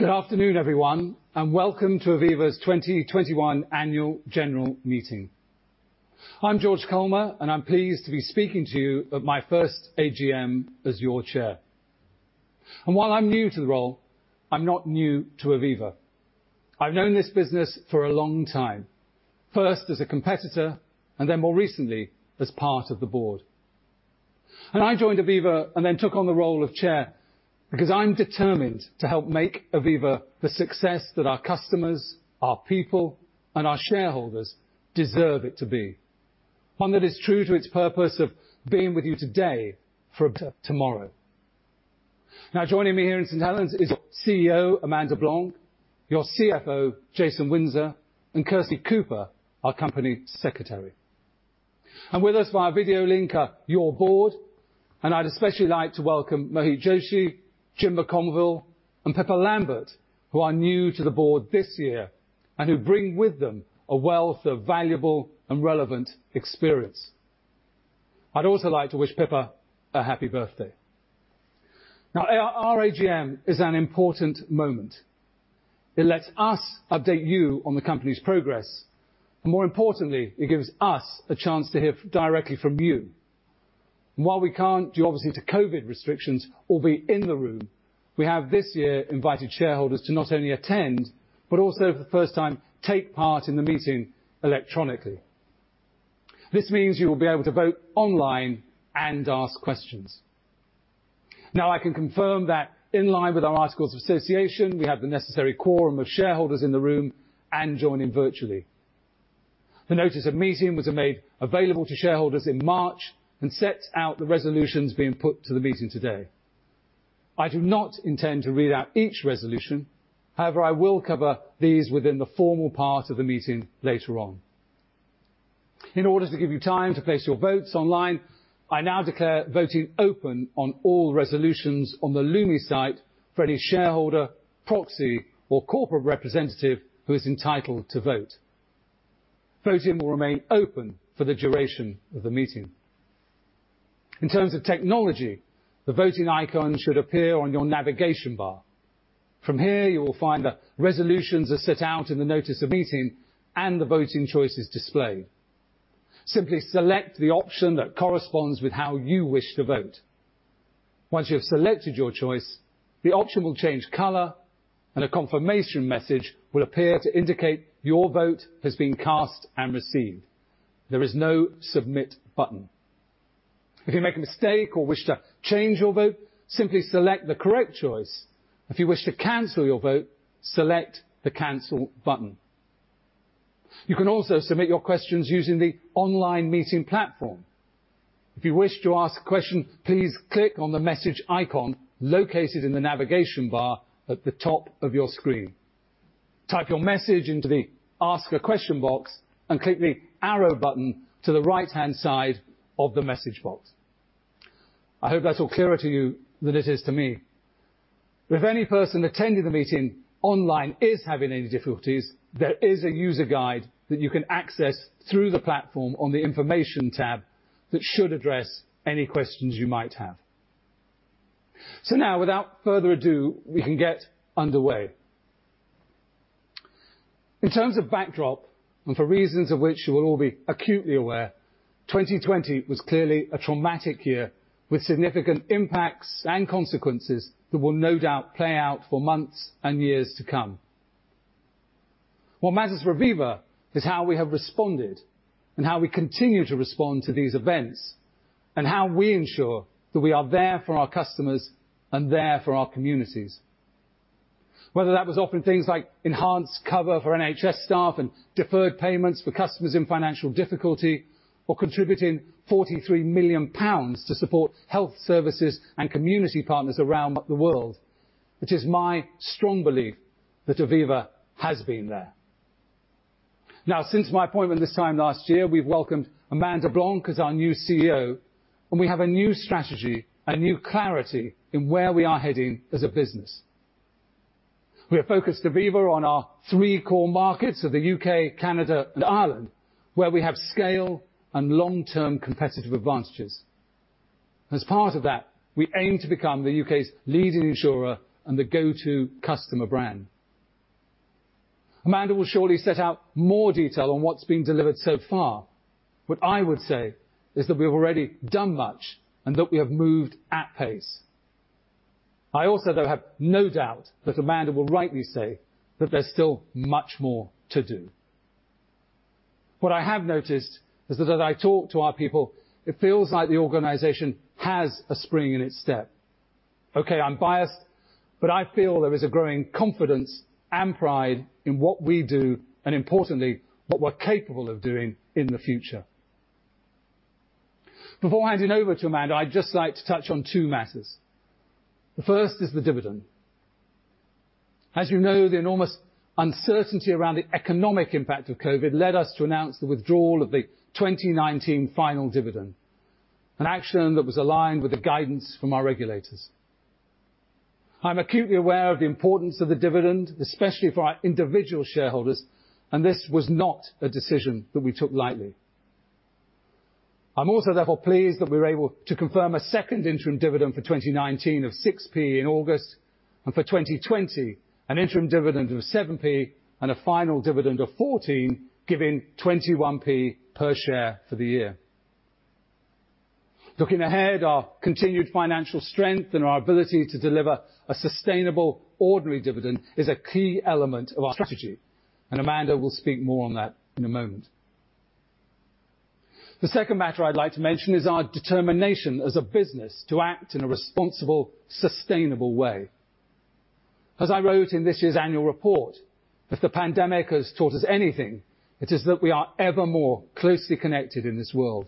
Good afternoon, everyone, and welcome to Aviva's 2021 Annual General Meeting. I'm George Culmer, and I'm pleased to be speaking to you at my first AGM as your chair. While I'm new to the role, I'm not new to Aviva. I've known this business for a long time, first as a competitor and then more recently as part of the board. I joined Aviva and then took on the role of chair because I'm determined to help make Aviva the success that our customers, our people, and our shareholders deserve it to be, one that is true to its purpose of being with you today for tomorrow. Now, joining me here in St Helen's is CEO Amanda Blanc, your CFO Jason Windsor, and Kirsty Cooper, our company secretary. With us via video link are your board, and I'd especially like to welcome Mohit Joshi, Jim McConville, and Pippa Lambert, who are new to the board this year and who bring with them a wealth of valuable and relevant experience. I'd also like to wish Pippa a happy birthday. Now, our AGM is an important moment. It lets us update you on the company's progress, and more importantly, it gives us a chance to hear directly from you. And while we can't, due obviously to COVID restrictions, all be in the room, we have this year invited shareholders to not only attend but also, for the first time, take part in the meeting electronically. This means you will be able to vote online and ask questions. Now, I can confirm that in line with our Articles of Association, we have the necessary quorum of shareholders in the room and joining virtually. The notice of meeting was made available to shareholders in March and set out the resolutions being put to the meeting today. I do not intend to read out each resolution, however, I will cover these within the formal part of the meeting later on. In order to give you time to place your votes online, I now declare voting open on all resolutions on the Lumi site for any shareholder, proxy, or corporate representative who is entitled to vote. Voting will remain open for the duration of the meeting. In terms of technology, the voting icon should appear on your navigation bar. From here, you will find that resolutions are set out in the notice of meeting and the voting choices displayed. Simply select the option that corresponds with how you wish to vote. Once you have selected your choice, the option will change color, and a confirmation message will appear to indicate your vote has been cast and received. There is no submit button. If you make a mistake or wish to change your vote, simply select the correct choice. If you wish to cancel your vote, select the cancel button. You can also submit your questions using the online meeting platform. If you wish to ask a question, please click on the message icon located in the navigation bar at the top of your screen. Type your message into the ask a question box and click the arrow button to the right-hand side of the message box. I hope that's all clearer to you than it is to me. If any person attending the meeting online is having any difficulties, there is a user guide that you can access through the platform on the information tab that should address any questions you might have. So now, without further ado, we can get underway. In terms of backdrop and for reasons of which you will all be acutely aware, 2020 was clearly a traumatic year with significant impacts and consequences that will no doubt play out for months and years to come. What matters for Aviva is how we have responded and how we continue to respond to these events and how we ensure that we are there for our customers and there for our communities. Whether that was offering things like enhanced cover for NHS staff and deferred payments for customers in financial difficulty or contributing £43 million to support health services and community partners around the world, it is my strong belief that Aviva has been there. Now, since my appointment this time last year, we've welcomed Amanda Blanc as our new CEO, and we have a new strategy and new clarity in where we are heading as a business. We have focused Aviva on our three core markets of the UK, Canada, and Ireland, where we have scale and long-term competitive advantages. As part of that, we aim to become the UK's leading insurer and the go-to customer brand. Amanda will surely set out more detail on what's been delivered so far. What I would say is that we have already done much and that we have moved at pace. I also, though, have no doubt that Amanda will rightly say that there's still much more to do. What I have noticed is that as I talk to our people, it feels like the organization has a spring in its step. Okay, I'm biased, but I feel there is a growing confidence and pride in what we do and, importantly, what we're capable of doing in the future. Before handing over to Amanda, I'd just like to touch on two matters. The first is the dividend. As you know, the enormous uncertainty around the economic impact of COVID led us to announce the withdrawal of the 2019 final dividend, an action that was aligned with the guidance from our regulators. I'm acutely aware of the importance of the dividend, especially for our individual shareholders, and this was not a decision that we took lightly. I'm also, therefore, pleased that we were able to confirm a second interim dividend for 2019 of 6p in August and for 2020 an interim dividend of 7p and a final dividend of 14, giving 21p per share for the year. Looking ahead, our continued financial strength and our ability to deliver a sustainable ordinary dividend is a key element of our strategy, and Amanda will speak more on that in a moment. The second matter I'd like to mention is our determination as a business to act in a responsible, sustainable way. As I wrote in this year's annual report, if the pandemic has taught us anything, it is that we are ever more closely connected in this world.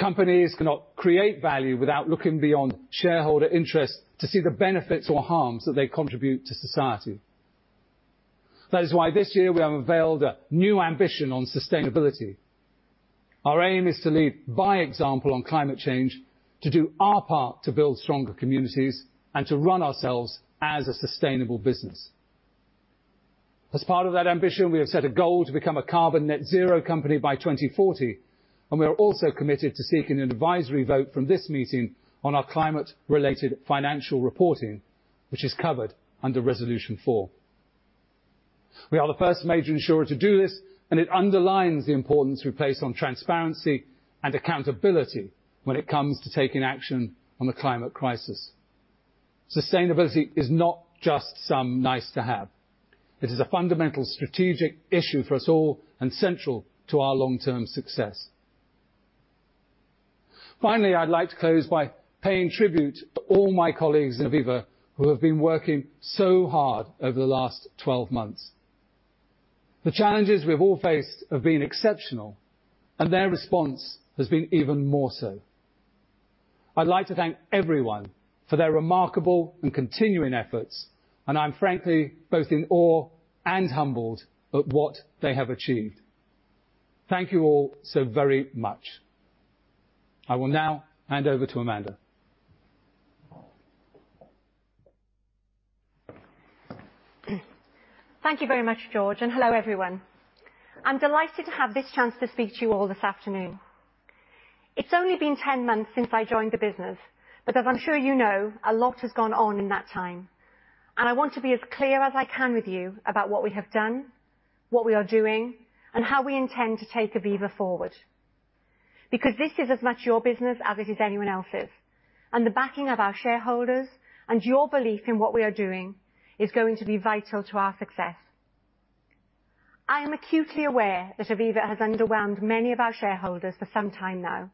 Companies cannot create value without looking beyond shareholder interest to see the benefits or harms that they contribute to society. That is why this year we have unveiled a new ambition on sustainability. Our aim is to lead by example on climate change, to do our part to build stronger communities, and to run ourselves as a sustainable business. As part of that ambition, we have set a goal to become a carbon net zero company by 2040, and we are also committed to seeking an advisory vote from this meeting on our climate-related financial reporting, which is covered under Resolution 4. We are the first major insurer to do this, and it underlines the importance we place on transparency and accountability when it comes to taking action on the climate crisis. Sustainability is not just some nice-to-have. It is a fundamental strategic issue for us all and central to our long-term success. Finally, I'd like to close by paying tribute to all my colleagues in Aviva who have been working so hard over the last 12 months. The challenges we have all faced have been exceptional, and their response has been even more so. I'd like to thank everyone for their remarkable and continuing efforts, and I'm frankly both in awe and humbled at what they have achieved. Thank you all so very much. I will now hand over to Amanda. Thank you very much, George, and hello, everyone. I'm delighted to have this chance to speak to you all this afternoon. It's only been 10 months since I joined the business, but as I'm sure you know, a lot has gone on in that time, and I want to be as clear as I can with you about what we have done, what we are doing, and how we intend to take Aviva forward. Because this is as much your business as it is anyone else's, and the backing of our shareholders and your belief in what we are doing is going to be vital to our success. I am acutely aware that Aviva has underwhelmed many of our shareholders for some time now,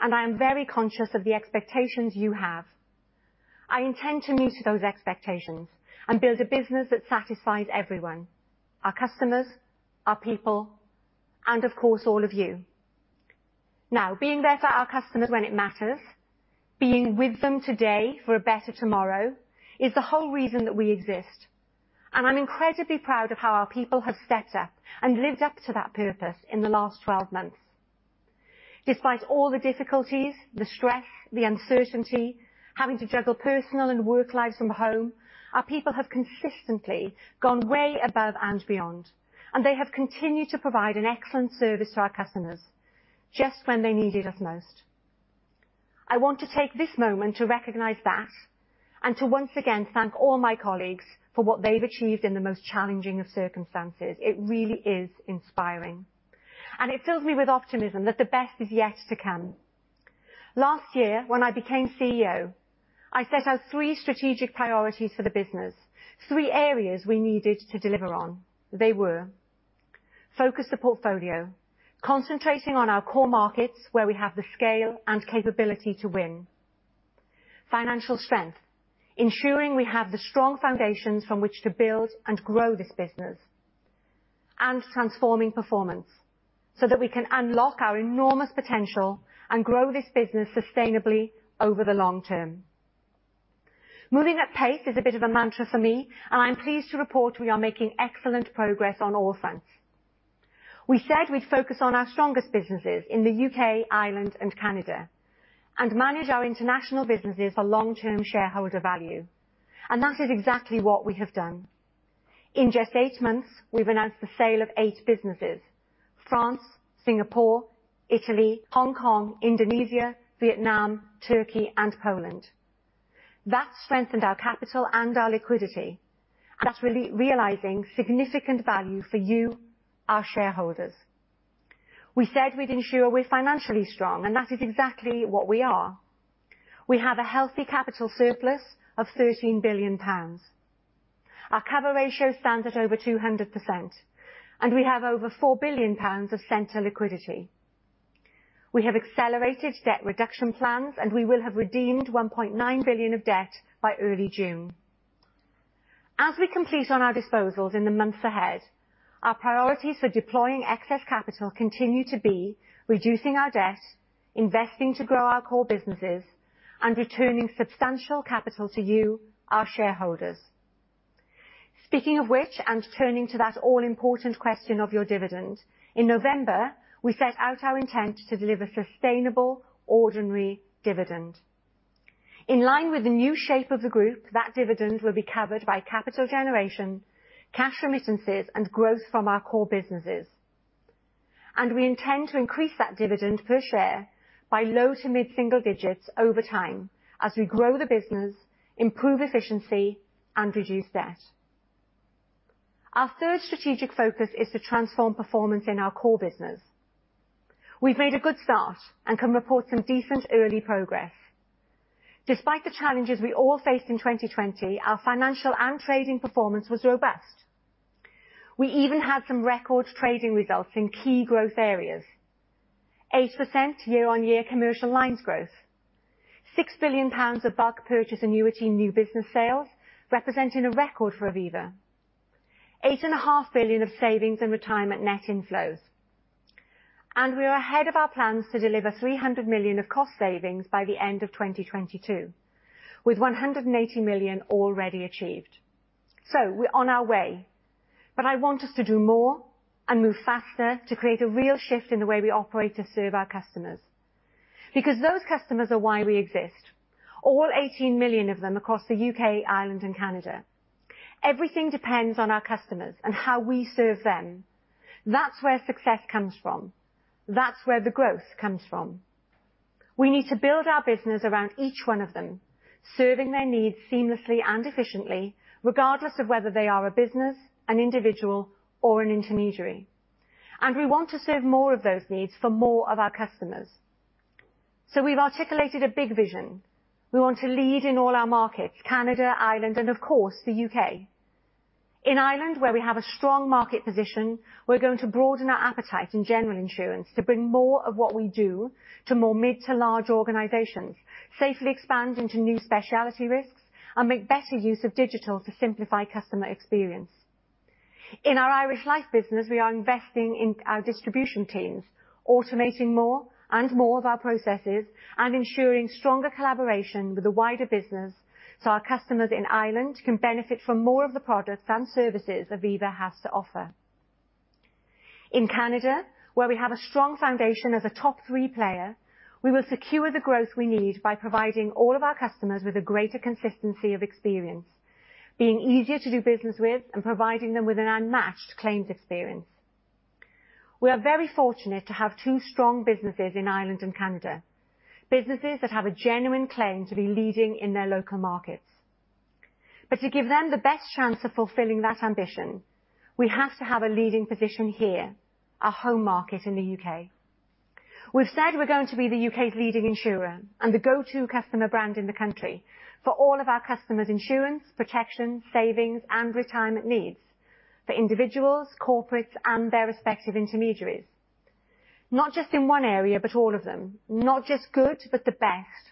and I am very conscious of the expectations you have. I intend to meet those expectations and build a business that satisfies everyone: our customers, our people, and of course, all of you. Now, being there for our customers when it matters, being with them today for a better tomorrow, is the whole reason that we exist, and I'm incredibly proud of how our people have stepped up and lived up to that purpose in the last 12 months. Despite all the difficulties, the stress, the uncertainty, having to juggle personal and work lives from home, our people have consistently gone way above and beyond, and they have continued to provide an excellent service to our customers just when they needed us most. I want to take this moment to recognize that and to once again thank all my colleagues for what they've achieved in the most challenging of circumstances. It really is inspiring, and it fills me with optimism that the best is yet to come. Last year, when I became CEO, I set out three strategic priorities for the business, three areas we needed to deliver on. They were: focus the portfolio, concentrating on our core markets where we have the scale and capability to win, financial strength, ensuring we have the strong foundations from which to build and grow this business, and transforming performance so that we can unlock our enormous potential and grow this business sustainably over the long term. Moving at pace is a bit of a mantra for me, and I'm pleased to report we are making excellent progress on all fronts. We said we'd focus on our strongest businesses in the U.K., Ireland, and Canada and manage our international businesses for long-term shareholder value, and that is exactly what we have done. In just eight months, we've announced the sale of eight businesses: France, Singapore, Italy, Hong Kong, Indonesia, Vietnam, Turkey, and Poland. That strengthened our capital and our liquidity, and that's really realizing significant value for you, our shareholders. We said we'd ensure we're financially strong, and that is exactly what we are. We have a healthy capital surplus of 13 billion pounds. Our cover ratio stands at over 200%, and we have over 4 billion pounds of central liquidity. We have accelerated debt reduction plans, and we will have redeemed 1.9 billion of debt by early June. As we complete on our disposals in the months ahead, our priorities for deploying excess capital continue to be reducing our debt, investing to grow our core businesses, and returning substantial capital to you, our shareholders. Speaking of which, and turning to that all-important question of your dividend, in November, we set out our intent to deliver sustainable ordinary dividend. In line with the new shape of the group, that dividend will be covered by capital generation, cash remittances, and growth from our core businesses, and we intend to increase that dividend per share by low to mid-single digits over time as we grow the business, improve efficiency, and reduce debt. Our third strategic focus is to transform performance in our core business. We've made a good start and can report some decent early progress. Despite the challenges we all faced in 2020, our financial and trading performance was robust. We even had some record trading results in key growth areas: 8% year-on-year commercial lines growth, £6 billion of bulk purchase annuity new business sales, representing a record for Aviva, £8.5 billion of savings and retirement net inflows, and we are ahead of our plans to deliver £300 million of cost savings by the end of 2022, with £180 million already achieved. So we're on our way, but I want us to do more and move faster to create a real shift in the way we operate to serve our customers. Because those customers are why we exist, all 18 million of them across the UK, Ireland, and Canada. Everything depends on our customers and how we serve them. That's where success comes from. That's where the growth comes from. We need to build our business around each one of them, serving their needs seamlessly and efficiently, regardless of whether they are a business, an individual, or an intermediary. And we want to serve more of those needs for more of our customers. So we've articulated a big vision. We want to lead in all our markets: Canada, Ireland, and of course, the UK. In Ireland, where we have a strong market position, we're going to broaden our appetite in general insurance to bring more of what we do to more mid- to large organizations, safely expand into new specialty risks, and make better use of digital to simplify customer experience. In our Irish life business, we are investing in our distribution teams, automating more and more of our processes, and ensuring stronger collaboration with the wider business so our customers in Ireland can benefit from more of the products and services Aviva has to offer. In Canada, where we have a strong foundation as a top three player, we will secure the growth we need by providing all of our customers with a greater consistency of experience, being easier to do business with, and providing them with an unmatched claims experience. We are very fortunate to have two strong businesses in Ireland and Canada, businesses that have a genuine claim to be leading in their local markets. But to give them the best chance of fulfilling that ambition, we have to have a leading position here, our home market in the U.K. We've said we're going to be the UK's leading insurer and the go-to customer brand in the country for all of our customers' insurance, protection, savings, and retirement needs for individuals, corporates, and their respective intermediaries. Not just in one area, but all of them. Not just good, but the best.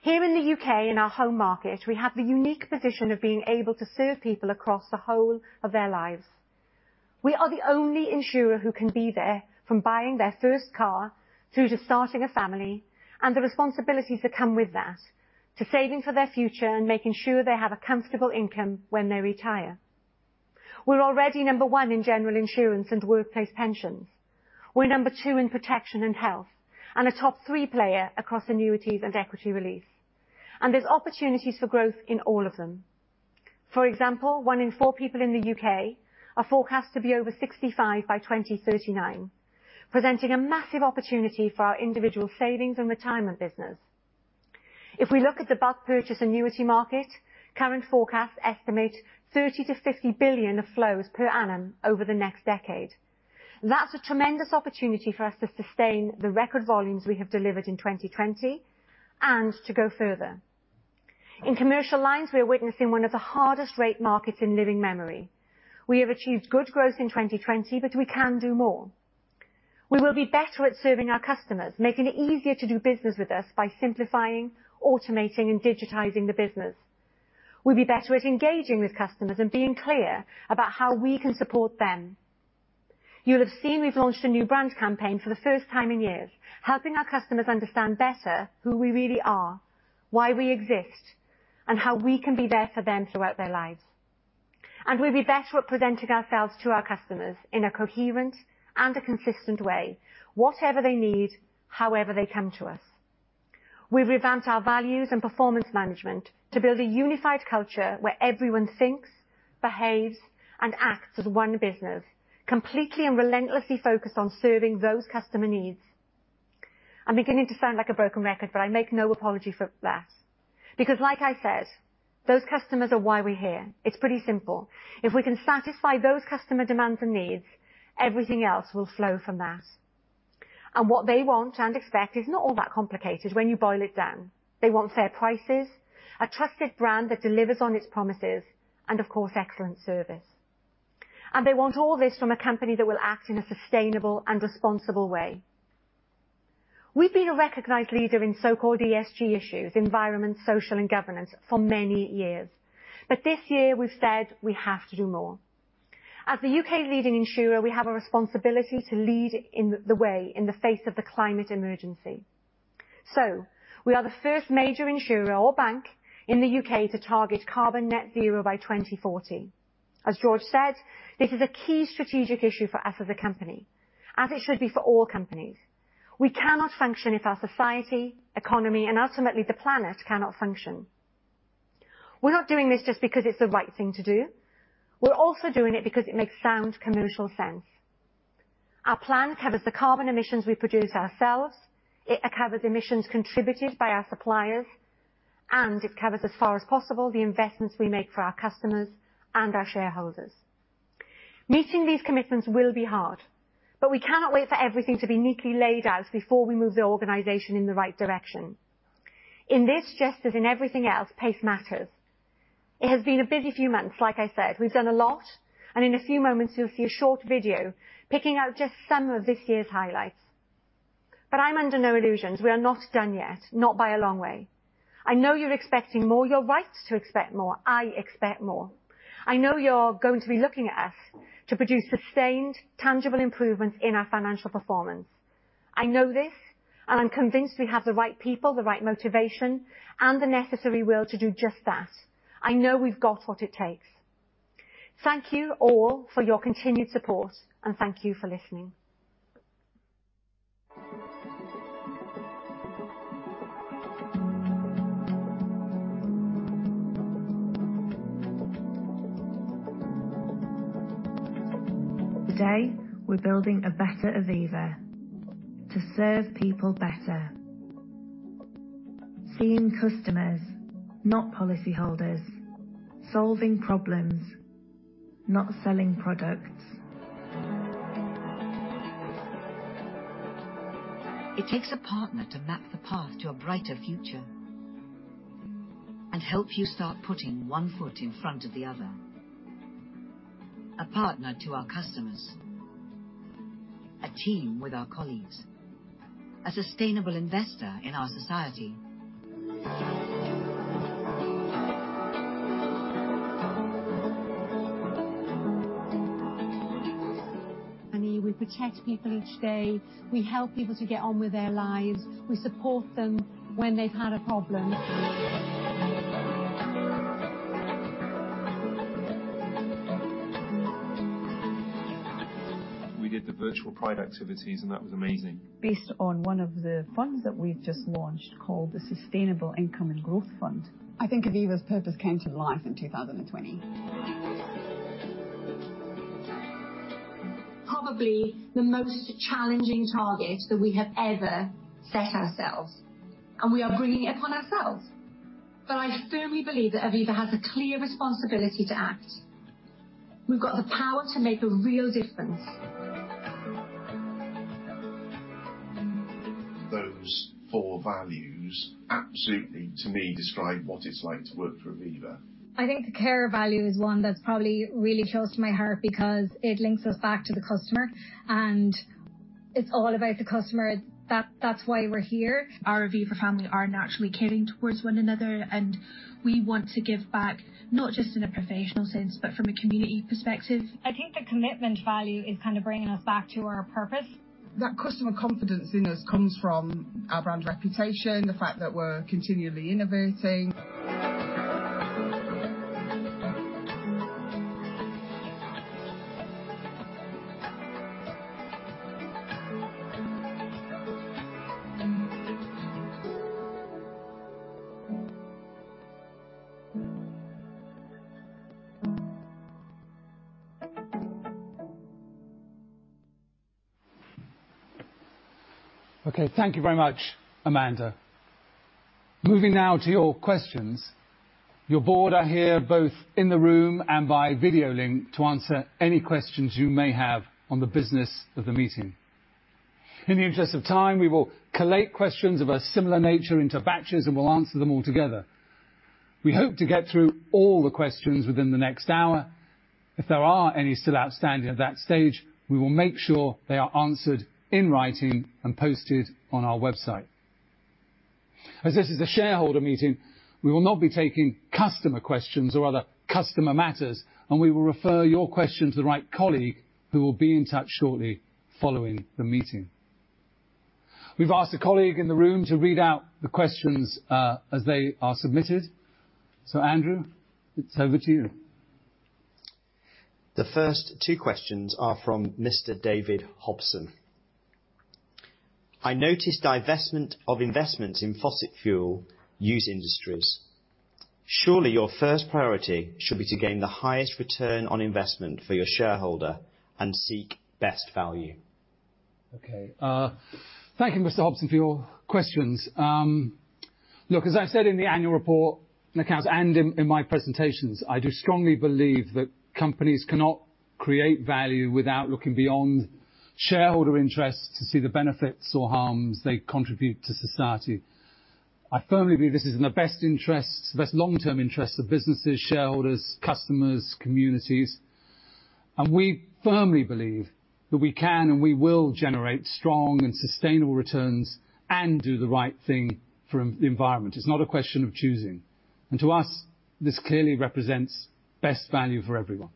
Here in the UK, in our home market, we have the unique position of being able to serve people across the whole of their lives. We are the only insurer who can be there from buying their first car through to starting a family and the responsibilities that come with that, to saving for their future and making sure they have a comfortable income when they retire. We're already number one in general insurance and workplace pensions. We're number two in protection and health and a top three player across annuities and equity release. There's opportunities for growth in all of them. For example, one in four people in the U.K. are forecast to be over 65 by 2039, presenting a massive opportunity for our individual savings and retirement business. If we look at the bulk purchase annuity market, current forecasts estimate 30 billion-50 billion of flows per annum over the next decade. That's a tremendous opportunity for us to sustain the record volumes we have delivered in 2020 and to go further. In commercial lines, we are witnessing one of the hardest-rate markets in living memory. We have achieved good growth in 2020, but we can do more. We will be better at serving our customers, making it easier to do business with us by simplifying, automating, and digitizing the business. We'll be better at engaging with customers and being clear about how we can support them. You'll have seen we've launched a new brand campaign for the first time in years, helping our customers understand better who we really are, why we exist, and how we can be there for them throughout their lives. We'll be better at presenting ourselves to our customers in a coherent and a consistent way, whatever they need, however they come to us. We've revamped our values and performance management to build a unified culture where everyone thinks, behaves, and acts as one business, completely and relentlessly focused on serving those customer needs. I'm beginning to sound like a broken record, but I make no apology for that. Because, like I said, those customers are why we're here. It's pretty simple. If we can satisfy those customer demands and needs, everything else will flow from that. What they want and expect is not all that complicated when you boil it down. They want fair prices, a trusted brand that delivers on its promises, and of course, excellent service. They want all this from a company that will act in a sustainable and responsible way. We've been a recognized leader in so-called ESG issues, environment, social, and governance for many years, but this year we've said we have to do more. As the UK's leading insurer, we have a responsibility to lead the way in the face of the climate emergency. We are the first major insurer or bank in the UK to target carbon net zero by 2040. As George said, this is a key strategic issue for us as a company, as it should be for all companies. We cannot function if our society, economy, and ultimately the planet cannot function. We're not doing this just because it's the right thing to do. We're also doing it because it makes sound commercial sense. Our plan covers the carbon emissions we produce ourselves. It covers emissions contributed by our suppliers, and it covers, as far as possible, the investments we make for our customers and our shareholders. Meeting these commitments will be hard, but we cannot wait for everything to be neatly laid out before we move the organization in the right direction. In this, just as in everything else, pace matters. It has been a busy few months, like I said. We've done a lot, and in a few moments, you'll see a short video picking out just some of this year's highlights. But I'm under no illusions. We are not done yet, not by a long way. I know you're expecting more. You're right to expect more. I expect more. I know you're going to be looking at us to produce sustained, tangible improvements in our financial performance. I know this, and I'm convinced we have the right people, the right motivation, and the necessary will to do just that. I know we've got what it takes. Thank you all for your continued support, and thank you for listening. Today, we're building a better Aviva to serve people better, seeing customers, not policyholders, solving problems, not selling products. It takes a partner to map the path to a brighter future and help you start putting one foot in front of the other. A partner to our customers, a team with our colleagues, a sustainable investor in our society. We protect people each day. We help people to get on with their lives. We support them when they've had a problem. We did the virtual pride activities, and that was amazing. Based on one of the funds that we've just launched called the Sustainable Income and Growth Fund, I think Aviva's purpose came to life in 2020. Probably the most challenging target that we have ever set ourselves, and we are bringing it upon ourselves. But I firmly believe that Aviva has a clear responsibility to act. We've got the power to make a real difference. Those four values absolutely, to me, describe what it's like to work for Aviva. I think the care value is one that probably really is close to my heart because it links us back to the customer, and it's all about the customer. That's why we're here. Our Aviva family are naturally caring towards one another, and we want to give back not just in a professional sense, but from a community perspective. I think the commitment value is kind of bringing us back to our purpose. That customer confidence in us comes from our brand reputation, the fact that we're continually innovating. Okay, thank you very much, Amanda. Moving now to your questions. Your board are here both in the room and by video link to answer any questions you may have on the business of the meeting. In the interest of time, we will collate questions of a similar nature into batches and will answer them all together. We hope to get through all the questions within the next hour. If there are any still outstanding at that stage, we will make sure they are answered in writing and posted on our website. As this is a shareholder meeting, we will not be taking customer questions or other customer matters, and we will refer your question to the right colleague who will be in touch shortly following the meeting. We've asked a colleague in the room to read out the questions as they are submitted. So, Andrew, it's over to you. The first two questions are from Mr. David Hobson. I noticed divestment of investments in fossil fuel use industries. Surely your first priority should be to gain the highest return on investment for your shareholder and seek best value. Okay. Thank you, Mr. Hobson, for your questions. Look, as I've said in the annual report and accounts and in my presentations, I do strongly believe that companies cannot create value without looking beyond shareholder interests to see the benefits or harms they contribute to society. I firmly believe this is in the best interests, the best long-term interests of businesses, shareholders, customers, communities. And we firmly believe that we can and we will generate strong and sustainable returns and do the right thing for the environment. It's not a question of choosing. And to us, this clearly represents best value for everyone.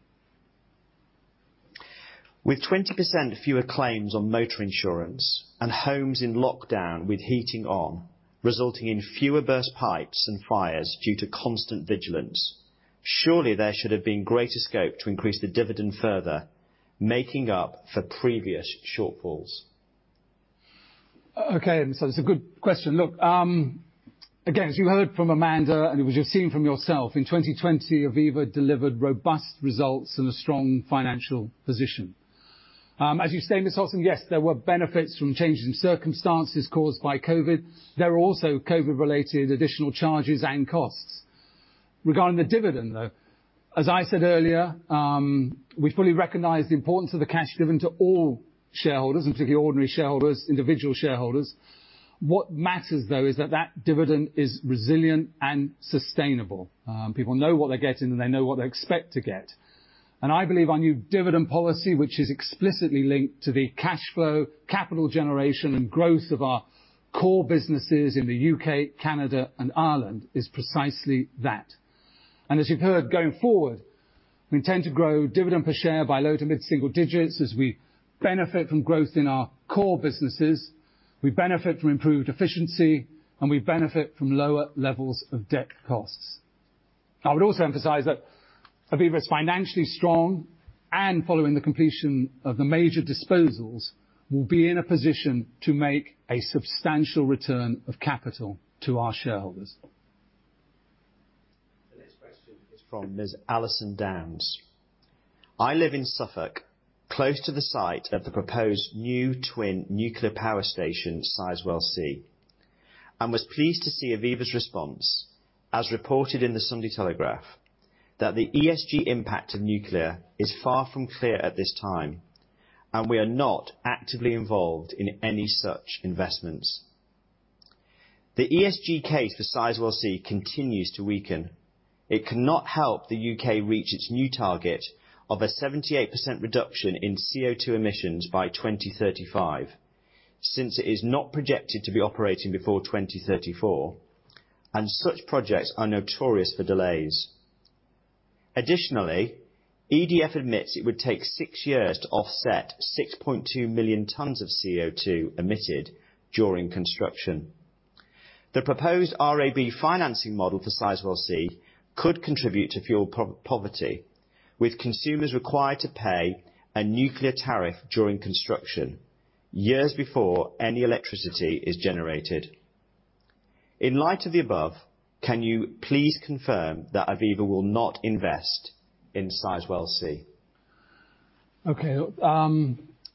With 20% fewer claims on motor insurance and homes in lockdown with heating on, resulting in fewer burst pipes and fires due to constant vigilance, surely there should have been greater scope to increase the dividend further, making up for previous shortfalls. Okay, and so it's a good question. Look, again, as you heard from Amanda and as you've seen from yourself, in 2020, Aviva delivered robust results and a strong financial position. As you stated, Ms. Hobson, yes, there were benefits from changes in circumstances caused by COVID. There were also COVID-related additional charges and costs. Regarding the dividend, though, as I said earlier, we fully recognize the importance of the cash given to all shareholders, and particularly ordinary shareholders, individual shareholders. What matters, though, is that that dividend is resilient and sustainable. People know what they're getting, and they know what they expect to get. I believe our new dividend policy, which is explicitly linked to the cash flow, capital generation, and growth of our core businesses in the UK, Canada, and Ireland, is precisely that. As you've heard, going forward, we intend to grow dividend per share by low to mid-single digits as we benefit from growth in our core businesses. We benefit from improved efficiency, and we benefit from lower levels of debt costs. I would also emphasize that Aviva is financially strong and, following the completion of the major disposals, will be in a position to make a substantial return of capital to our shareholders. The next question is from Ms. Alison Downes. I live in Suffolk, close to the site of the proposed new twin nuclear power station Sizewell C, and was pleased to see Aviva's response, as reported in the Sunday Telegraph, that the ESG impact of nuclear is far from clear at this time, and we are not actively involved in any such investments. The ESG case for Sizewell C continues to weaken. It cannot help the U.K. reach its new target of a 78% reduction in CO2 emissions by 2035, since it is not projected to be operating before 2034, and such projects are notorious for delays. Additionally, EDF admits it would take six years to offset 6.2 million tons of CO2 emitted during construction. The proposed RAB financing model for Sizewell C could contribute to fuel poverty, with consumers required to pay a nuclear tariff during construction years before any electricity is generated. In light of the above, can you please confirm that Aviva will not invest in Sizewell C? Okay.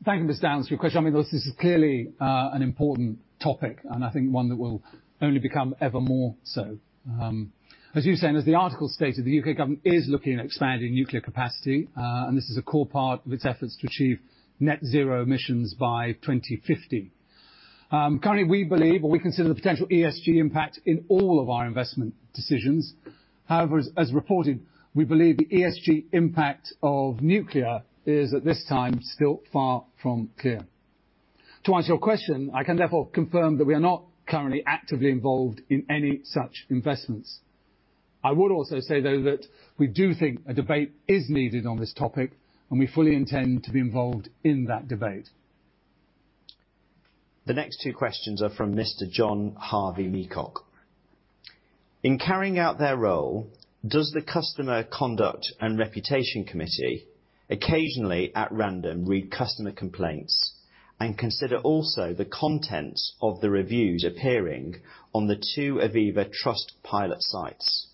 Thank you, Ms. Downes, for your question. I mean, this is clearly an important topic, and I think one that will only become ever more so. As you say, and as the article stated, the U.K. government is looking at expanding nuclear capacity, and this is a core part of its efforts to achieve net zero emissions by 2050. Currently, we believe, or we consider the potential ESG impact in all of our investment decisions. However, as reported, we believe the ESG impact of nuclear is, at this time, still far from clear. To answer your question, I can therefore confirm that we are not currently actively involved in any such investments. I would also say, though, that we do think a debate is needed on this topic, and we fully intend to be involved in that debate. The next two questions are from Mr. John Harvey-Meacock. In carrying out their role, does the Customer Conduct and Reputation Committee occasionally, at random, read customer complaints and consider also the contents of the reviews appearing on the two Aviva Trustpilot sites,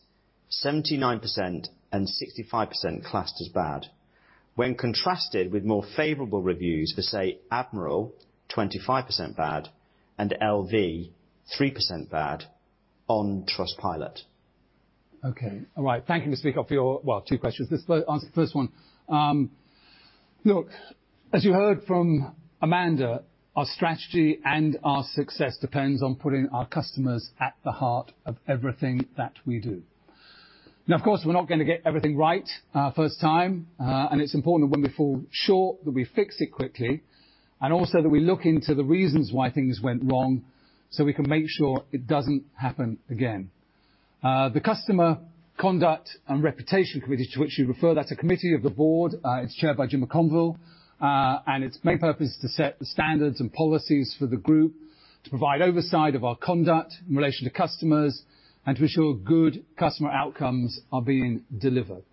79% and 65% classed as bad, when contrasted with more favorable reviews for, say, Admiral, 25% bad, and LV, 3% bad, on Trustpilot? Okay. All right. Thank you, Mr. Meacock, for your, well, two questions. Let's answer the first one. Look, as you heard from Amanda, our strategy and our success depends on putting our customers at the heart of everything that we do. Now, of course, we're not going to get everything right first time, and it's important that when we fall short, that we fix it quickly and also that we look into the reasons why things went wrong so we can make sure it doesn't happen again. The Customer Conduct and Reputation Committee, to which you refer, that's a committee of the board. It's chaired by Jim McConville, and its main purpose is to set the standards and policies for the group, to provide oversight of our conduct in relation to customers, and to ensure good customer outcomes are being delivered.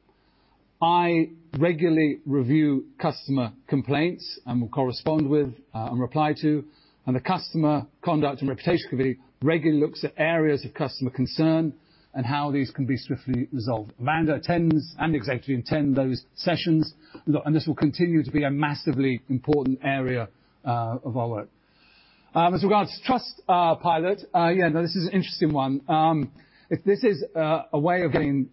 I regularly review customer complaints and will correspond with and reply to, and the Customer Conduct and Reputation Committee regularly looks at areas of customer concern and how these can be swiftly resolved. Amanda attends and executives attend those sessions, and this will continue to be a massively important area of our work. As regards to Trustpilot, yeah, now this is an interesting one. This is a way of getting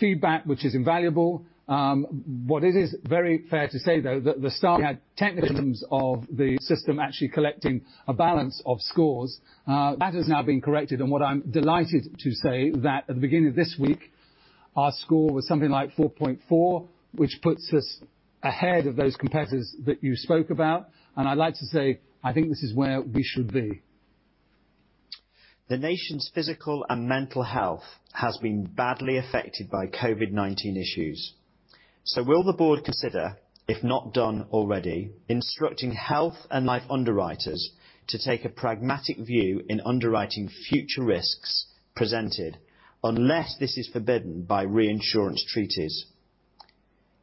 feedback which is invaluable. What it is very fair to say, though, that the start had technical issues of the system actually collecting a balance of scores. That has now been corrected, and what I'm delighted to say is that at the beginning of this week, our score was something like 4.4, which puts us ahead of those competitors that you spoke about. And I'd like to say I think this is where we should be. The nation's physical and mental health has been badly affected by COVID-19 issues. So will the board consider, if not done already, instructing health and life underwriters to take a pragmatic view in underwriting future risks presented unless this is forbidden by reinsurance treaties?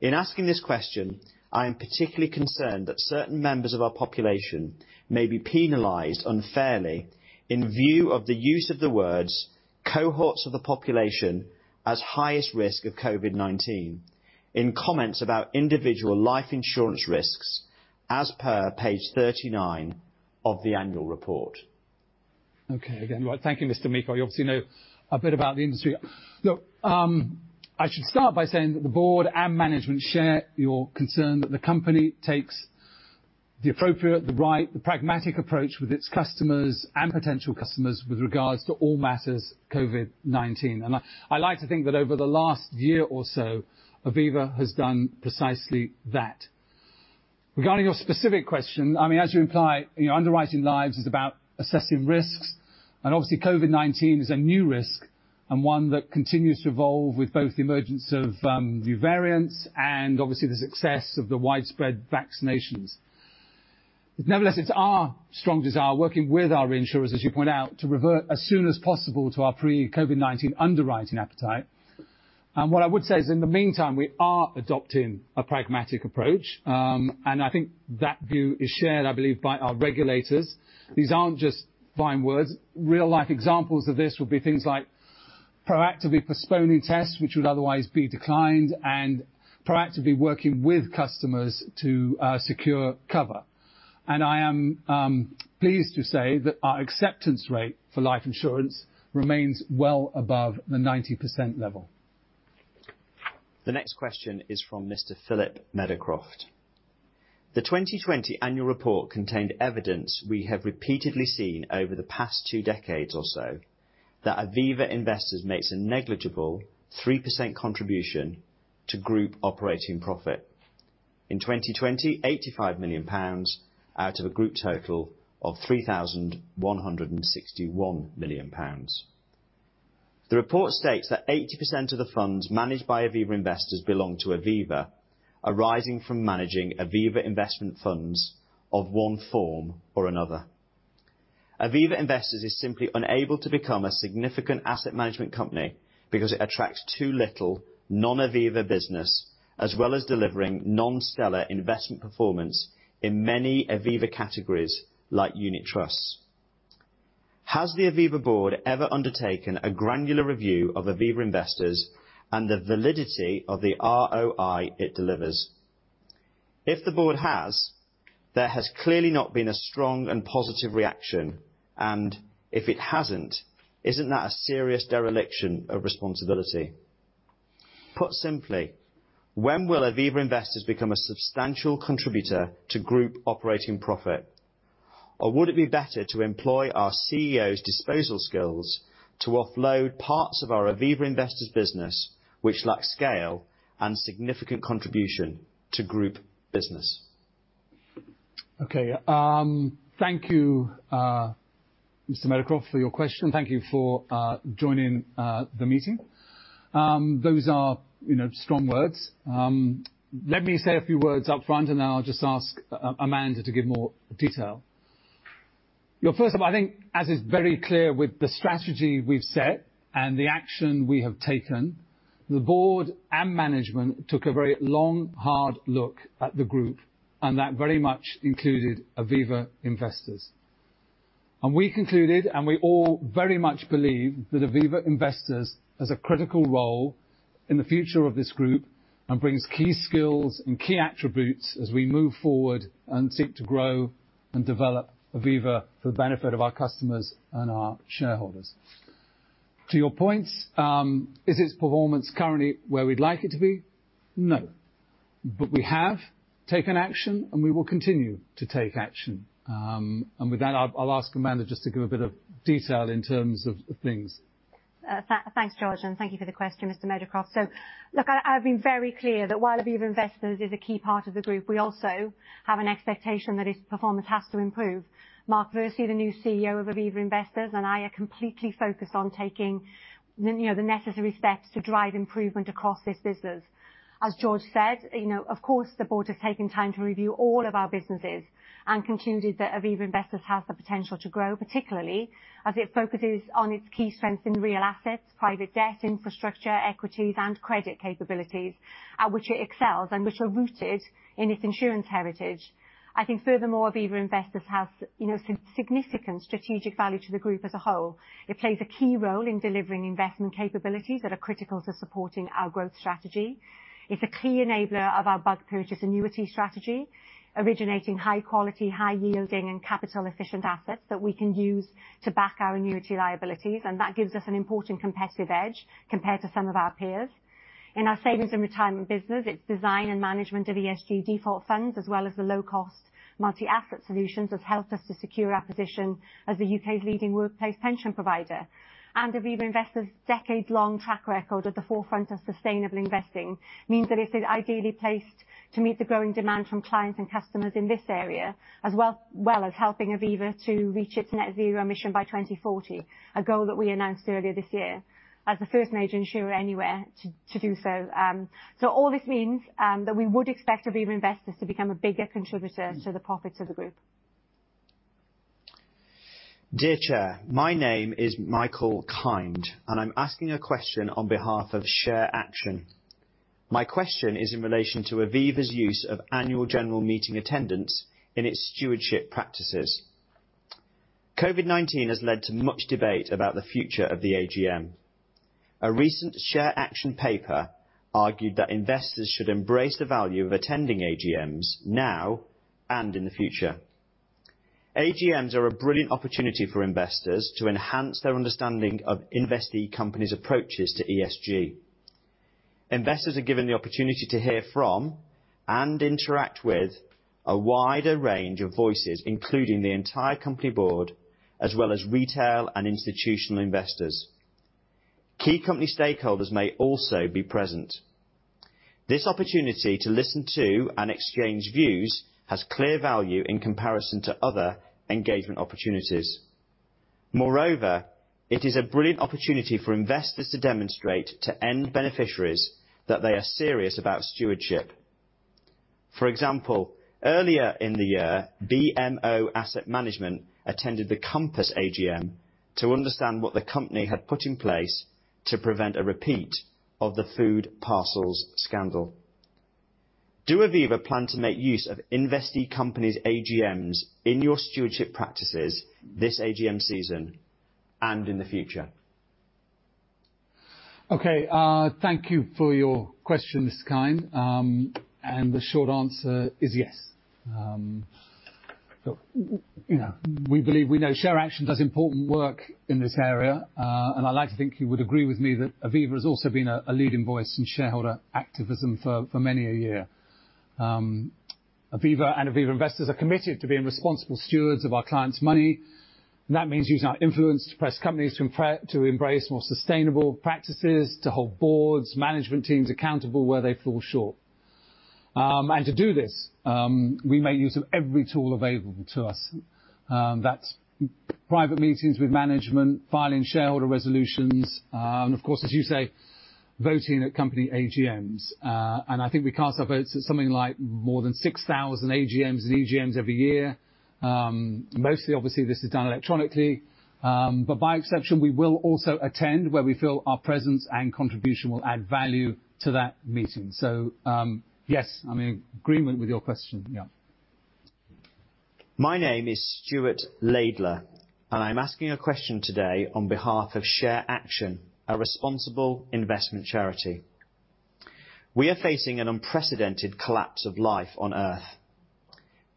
In asking this question, I am particularly concerned that certain members of our population may be penalized unfairly in view of the use of the words "cohorts of the population as highest risk of COVID-19" in comments about individual life insurance risks as per page 39 of the annual report. Okay. Again, thank you, Mr. Meacock. You obviously know a bit about the industry. Look, I should start by saying that the board and management share your concern that the company takes the appropriate, the right, the pragmatic approach with its customers and potential customers with regards to all matters COVID-19. I like to think that over the last year or so, Aviva has done precisely that. Regarding your specific question, I mean, as you imply, underwriting lives is about assessing risks, and obviously, COVID-19 is a new risk and one that continues to evolve with both the emergence of new variants and obviously the success of the widespread vaccinations. Nevertheless, it's our strong desire, working with our reinsurers, as you point out, to revert as soon as possible to our pre-COVID-19 underwriting appetite. And what I would say is, in the meantime, we are adopting a pragmatic approach, and I think that view is shared, I believe, by our regulators. These aren't just fine words. Real-life examples of this would be things like proactively postponing tests, which would otherwise be declined, and proactively working with customers to secure cover. I am pleased to say that our acceptance rate for life insurance remains well above the 90% level. The next question is from Mr. Philip Meadowcroft. The 2020 annual report contained evidence we have repeatedly seen over the past two decades or so that Aviva Investors makes a negligible 3% contribution to group operating profit in 2020, 85 million pounds out of a group total of 3,161 million pounds. The report states that 80% of the funds managed by Aviva Investors belong to Aviva, arising from managing Aviva Investment Funds of one form or another. Aviva Investors is simply unable to become a significant asset management company because it attracts too little non-Aviva business, as well as delivering non-stellar investment performance in many Aviva categories like unit trusts. Has the Aviva board ever undertaken a granular review of Aviva Investors and the validity of the ROI it delivers? If the board has, there has clearly not been a strong and positive reaction, and if it hasn't, isn't that a serious dereliction of responsibility? Put simply, when will Aviva Investors become a substantial contributor to group operating profit? Or would it be better to employ our CEO's disposal skills to offload parts of our Aviva Investors business, which lack scale and significant contribution to group business? Okay. Thank you, Mr. Meadowcroft, for your question. Thank you for joining the meeting. Those are strong words. Let me say a few words upfront, and then I'll just ask Amanda to give more detail. First of all, I think, as is very clear with the strategy we've set and the action we have taken, the board and management took a very long, hard look at the group, and that very much included Aviva Investors. We concluded, and we all very much believe that Aviva Investors has a critical role in the future of this group and brings key skills and key attributes as we move forward and seek to grow and develop Aviva for the benefit of our customers and our shareholders. To your points, is its performance currently where we'd like it to be? No. But we have taken action, and we will continue to take action. With that, I'll ask Amanda just to give a bit of detail in terms of things. Thanks, George, and thank you for the question, Mr. Meadowcroft. So look, I've been very clear that while Aviva Investors is a key part of the group, we also have an expectation that its performance has to improve. Mark Versey, the new CEO of Aviva Investors, and I are completely focused on taking the necessary steps to drive improvement across this business. As George said, of course, the board has taken time to review all of our businesses and concluded that Aviva Investors has the potential to grow, particularly as it focuses on its key strengths in real assets, private debt, infrastructure, equities, and credit capabilities, which it excels and which are rooted in its insurance heritage. I think, furthermore, Aviva Investors has significant strategic value to the group as a whole. It plays a key role in delivering investment capabilities that are critical to supporting our growth strategy. It's a key enabler of our bulk purchase annuity strategy, originating high-quality, high-yielding, and capital-efficient assets that we can use to back our annuity liabilities, and that gives us an important competitive edge compared to some of our peers. In our savings and retirement business, its design and management of ESG default funds, as well as the low-cost multi-asset solutions, has helped us to secure our position as the U.K.'s leading workplace pension provider. Aviva Investors' decades-long track record at the forefront of sustainable investing means that it is ideally placed to meet the growing demand from clients and customers in this area, as well as helping Aviva to reach its net zero emission by 2040, a goal that we announced earlier this year as the first major insurer anywhere to do so. So all this means that we would expect Aviva Investors to become a bigger contributor to the profits of the group. Dear Chair, my name is Michael Kind, and I'm asking a question on behalf of ShareAction. My question is in relation to Aviva's use of annual general meeting attendance in its stewardship practices. COVID-19 has led to much debate about the future of the AGM. A recent ShareAction paper argued that investors should embrace the value of attending AGMs now and in the future. AGMs are a brilliant opportunity for investors to enhance their understanding of investee companies' approaches to ESG. Investors are given the opportunity to hear from and interact with a wider range of voices, including the entire company board, as well as retail and institutional investors. Key company stakeholders may also be present. This opportunity to listen to and exchange views has clear value in comparison to other engagement opportunities. Moreover, it is a brilliant opportunity for investors to demonstrate to end beneficiaries that they are serious about stewardship. For example, earlier in the year, BMO Asset Management attended the Compass AGM to understand what the company had put in place to prevent a repeat of the food parcels scandal. Do Aviva plan to make use of Investee Companies' AGMs in your stewardship practices this AGM season and in the future? Okay. Thank you for your question, Mr. Kind. And the short answer is yes. We believe we know ShareAction does important work in this area, and I'd like to think you would agree with me that Aviva has also been a leading voice in shareholder activism for many a year. Aviva and Aviva Investors are committed to being responsible stewards of our clients' money, and that means using our influence to press companies to embrace more sustainable practices, to hold boards, management teams accountable where they fall short. And to do this, we make use of every tool available to us. That's private meetings with management, filing shareholder resolutions, and of course, as you say, voting at company AGMs. And I think we cast our votes at something like more than 6,000 AGMs and EGMs every year. Mostly, obviously, this is done electronically, but by exception, we will also attend where we feel our presence and contribution will add value to that meeting. So yes, I'm in agreement with your question. Yeah. My name is Stuart Laidler, and I'm asking a question today on behalf of ShareAction, a responsible investment charity. We are facing an unprecedented collapse of life on Earth.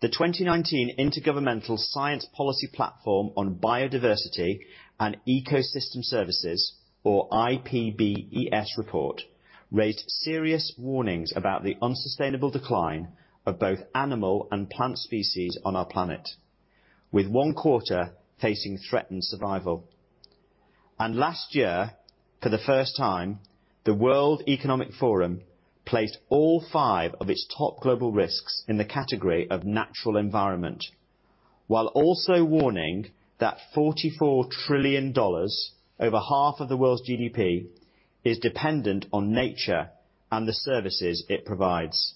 The 2019 Intergovernmental Science Policy Platform on Biodiversity and Ecosystem Services, or IPBES, report raised serious warnings about the unsustainable decline of both animal and plant species on our planet, with one quarter facing threatened survival. Last year, for the first time, the World Economic Forum placed all five of its top global risks in the category of natural environment, while also warning that $44 trillion, over half of the world's GDP, is dependent on nature and the services it provides.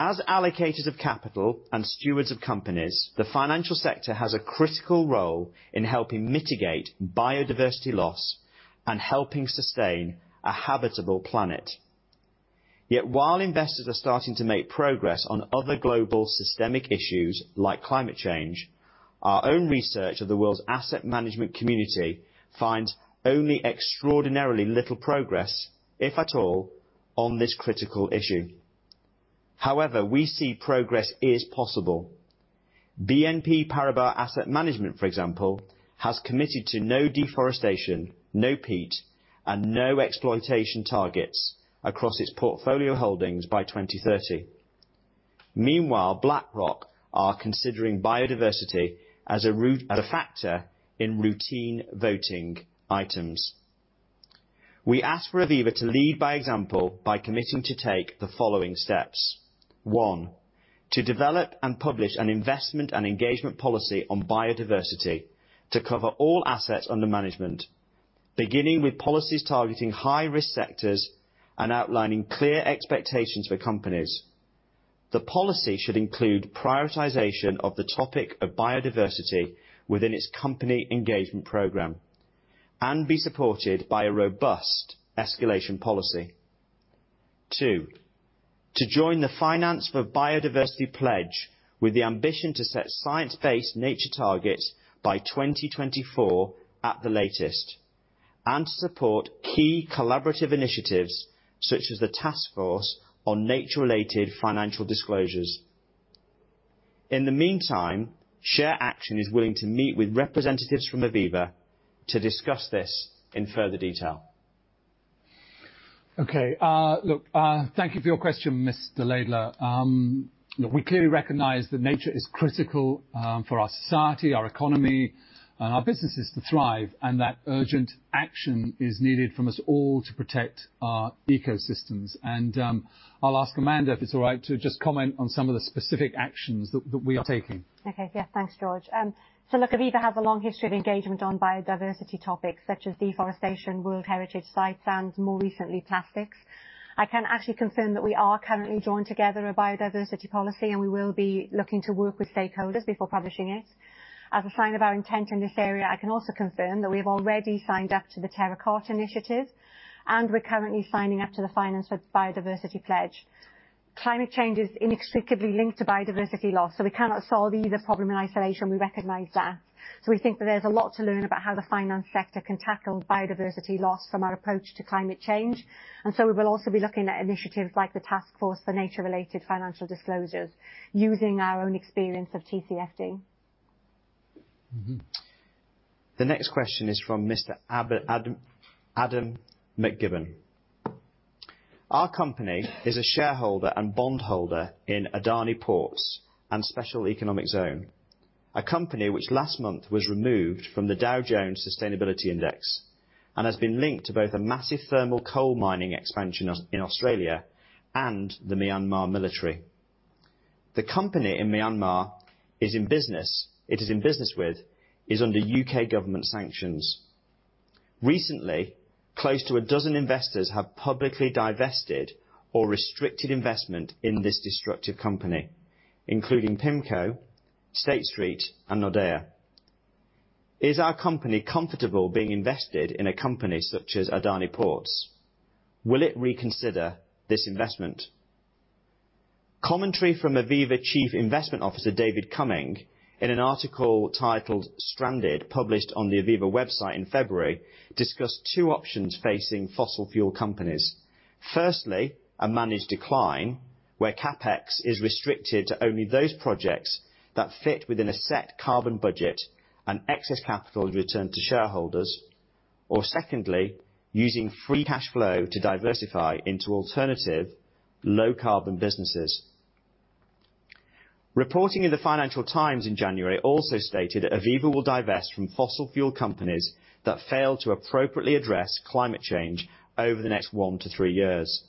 As allocators of capital and stewards of companies, the financial sector has a critical role in helping mitigate biodiversity loss and helping sustain a habitable planet. Yet while investors are starting to make progress on other global systemic issues like climate change, our own research of the world's asset management community finds only extraordinarily little progress, if at all, on this critical issue. However, we see progress is possible. BNP Paribas Asset Management, for example, has committed to no deforestation, no peat, and no exploitation targets across its portfolio holdings by 2030. Meanwhile, BlackRock are considering biodiversity as a factor in routine voting items. We ask for Aviva to lead by example by committing to take the following steps: one, to develop and publish an investment and engagement policy on biodiversity to cover all assets under management, beginning with policies targeting high-risk sectors and outlining clear expectations for companies. The policy should include prioritization of the topic of biodiversity within its company engagement program and be supported by a robust escalation policy. Two, to join the Finance for Biodiversity Pledge with the ambition to set science-based nature targets by 2024 at the latest and to support key collaborative initiatives such as the Taskforce on Nature-related Financial Disclosures. In the meantime, ShareAction is willing to meet with representatives from Aviva to discuss this in further detail. Okay. Look, thank you for your question, Mr. Laidler. We clearly recognize that nature is critical for our society, our economy, and our businesses to thrive, and that urgent action is needed from us all to protect our ecosystems. And I'll ask Amanda, if it's all right, to just comment on some of the specific actions that we are taking. Okay. Yes. Thanks, George. So look, Aviva has a long history of engagement on biodiversity topics such as deforestation, world heritage sites, and more recently, plastics. I can actually confirm that we are currently drawing together a biodiversity policy, and we will be looking to work with stakeholders before publishing it. As a sign of our intent in this area, I can also confirm that we have already signed up to the Terra Carta Initiative, and we're currently signing up to the Finance for Biodiversity Pledge. Climate change is inextricably linked to biodiversity loss, so we cannot solve either problem in isolation. We recognize that. So we think that there's a lot to learn about how the finance sector can tackle biodiversity loss from our approach to climate change. And so we will also be looking at initiatives like the Taskforce on Nature-related Financial Disclosures using our own experience of TCFD. The next question is from Mr. Adam McGibbon. Our company is a shareholder and bondholder in Adani Ports and Special Economic Zone, a company which last month was removed from the Dow Jones Sustainability Index and has been linked to both a massive thermal coal mining expansion in Australia and the Myanmar military. The company in Myanmar it is in business with is under UK government sanctions. Recently, close to a dozen investors have publicly divested or restricted investment in this destructive company, including PIMCO, State Street, and Nordea. Is our company comfortable being invested in a company such as Adani Ports? Will it reconsider this investment? Commentary from Aviva Chief Investment Officer David Cumming in an article titled Stranded, published on the Aviva website in February, discussed two options facing fossil fuel companies. Firstly, a managed decline where CapEx is restricted to only those projects that fit within a set carbon budget and excess capital is returned to shareholders, or secondly, using free cash flow to diversify into alternative low-carbon businesses. Reporting in the Financial Times in January also stated that Aviva will divest from fossil fuel companies that fail to appropriately address climate change over the next 1-3 years.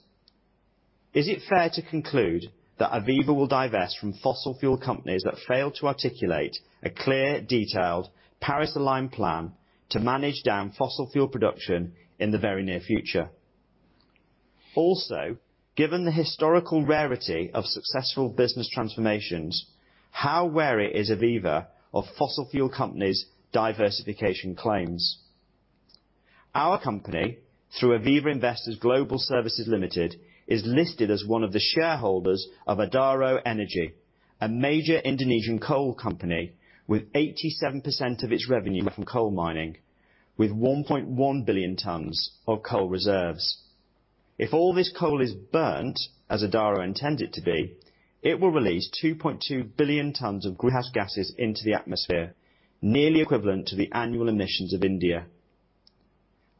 Is it fair to conclude that Aviva will divest from fossil fuel companies that fail to articulate a clear, detailed, Paris-aligned plan to manage down fossil fuel production in the very near future? Also, given the historical rarity of successful business transformations, how wary is Aviva of fossil fuel companies' diversification claims? Our company, through Aviva Investors Global Services Limited, is listed as one of the shareholders of Adaro Energy, a major Indonesian coal company with 87% of its revenue from coal mining, with 1.1 billion tons of coal reserves. If all this coal is burned, as Adaro intended it to be, it will release 2.2 billion tons of greenhouse gases into the atmosphere, nearly equivalent to the annual emissions of India.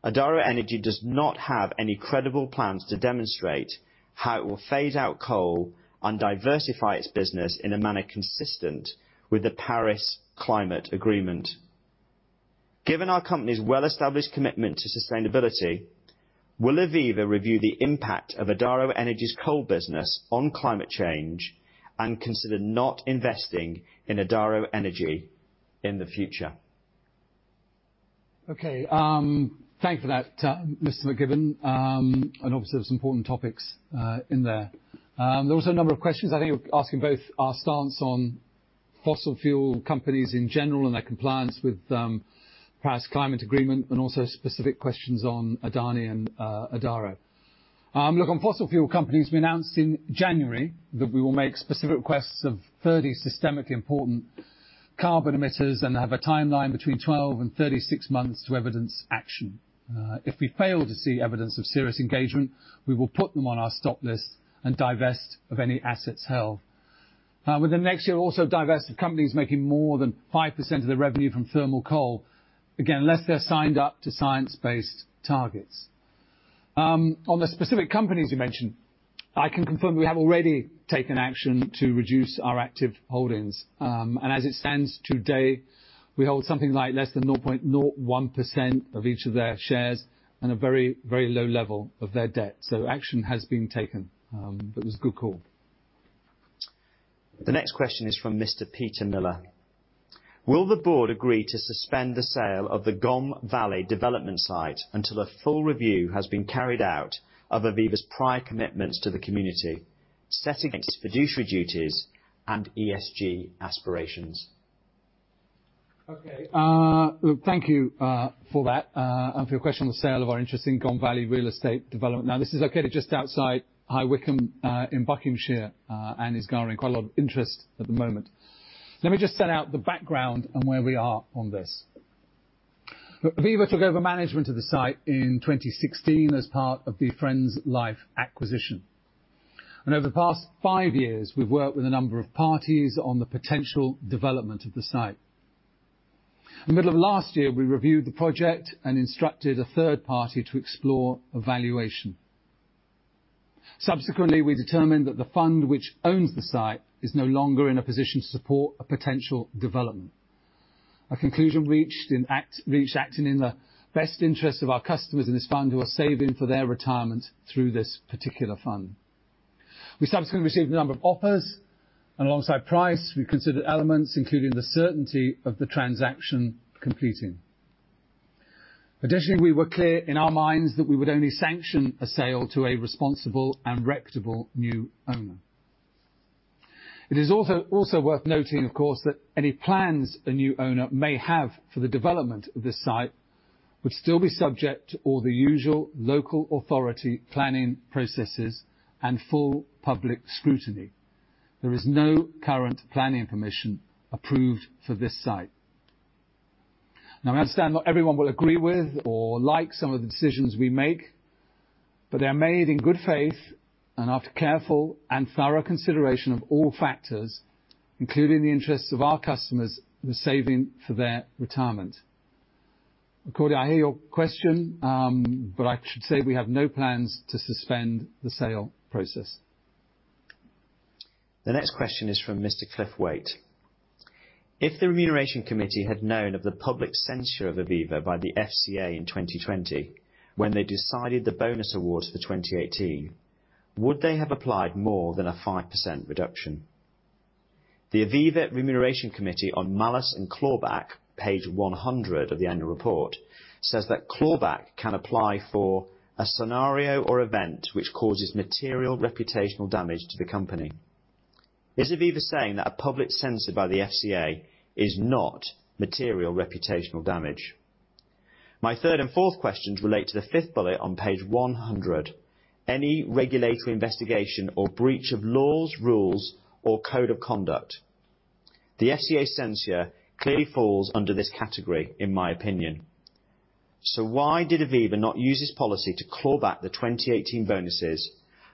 Adaro Energy does not have any credible plans to demonstrate how it will phase out coal and diversify its business in a manner consistent with the Paris Climate Agreement. Given our company's well-established commitment to sustainability, will Aviva review the impact of Adaro Energy's coal business on climate change and consider not investing in Adaro Energy in the future? Okay. Thank you for that, Mr. McGibbon. And obviously, there were some important topics in there. There were also a number of questions. I think you're asking both our stance on fossil fuel companies in general and their compliance with Paris Climate Agreement and also specific questions on Adani and Adaro. Look, on fossil fuel companies, we announced in January that we will make specific requests of 30 systemically important carbon emitters and have a timeline between 12 and 36 months to evidence action. If we fail to see evidence of serious engagement, we will put them on our stop list and divest of any assets held. Within the next year, we'll also divest of companies making more than 5% of their revenue from thermal coal, again, unless they're signed up to science-based targets. On the specific companies you mentioned, I can confirm that we have already taken action to reduce our active holdings. And as it stands today, we hold something like less than 0.01% of each of their shares and a very, very low level of their debt. So action has been taken. That was a good call. The next question is from Mr. Peter Miller. Will the board agree to suspend the sale of the Gomm Valley development site until a full review has been carried out of Aviva's prior commitments to the community, setting against fiduciary duties and ESG aspirations? Okay. Look, thank you for that and for your question on the sale of our interest in Gomm Valley real estate development. Now, this is located just outside High Wycombe in Buckinghamshire and is garnering quite a lot of interest at the moment. Let me just set out the background and where we are on this. Aviva took over management of the site in 2016 as part of the Friends Life acquisition. Over the past five years, we've worked with a number of parties on the potential development of the site. In the middle of last year, we reviewed the project and instructed a third party to explore a valuation. Subsequently, we determined that the fund which owns the site is no longer in a position to support a potential development. A conclusion reached in acting in the best interest of our customers and this fund who are saving for their retirement through this particular fund. We subsequently received a number of offers, and alongside price, we considered elements including the certainty of the transaction completing. Additionally, we were clear in our minds that we would only sanction a sale to a responsible and reputable new owner. It is also worth noting, of course, that any plans a new owner may have for the development of this site would still be subject to all the usual local authority planning processes and full public scrutiny. There is no current planning permission approved for this site. Now, I understand not everyone will agree with or like some of the decisions we make, but they are made in good faith and after careful and thorough consideration of all factors, including the interests of our customers and the saving for their retirement. Regarding, I hear your question, but I should say we have no plans to suspend the sale process. The next question is from Mr. Cliff Weight. If the Remuneration Committee had known of the public censure of Aviva by the FCA in 2020 when they decided the bonus awards for 2018, would they have applied more than a 5% reduction? The Aviva Remuneration Committee on Malus and Clawback, page 100 of the annual report, says that Clawback can apply for a scenario or event which causes material reputational damage to the company. Is Aviva saying that a public censure by the FCA is not material reputational damage? My third and fourth questions relate to the fifth bullet on page 100: any regulatory investigation or breach of laws, rules, or code of conduct. The FCA censure clearly falls under this category, in my opinion. So why did Aviva not use this policy to clawback the 2018 bonuses,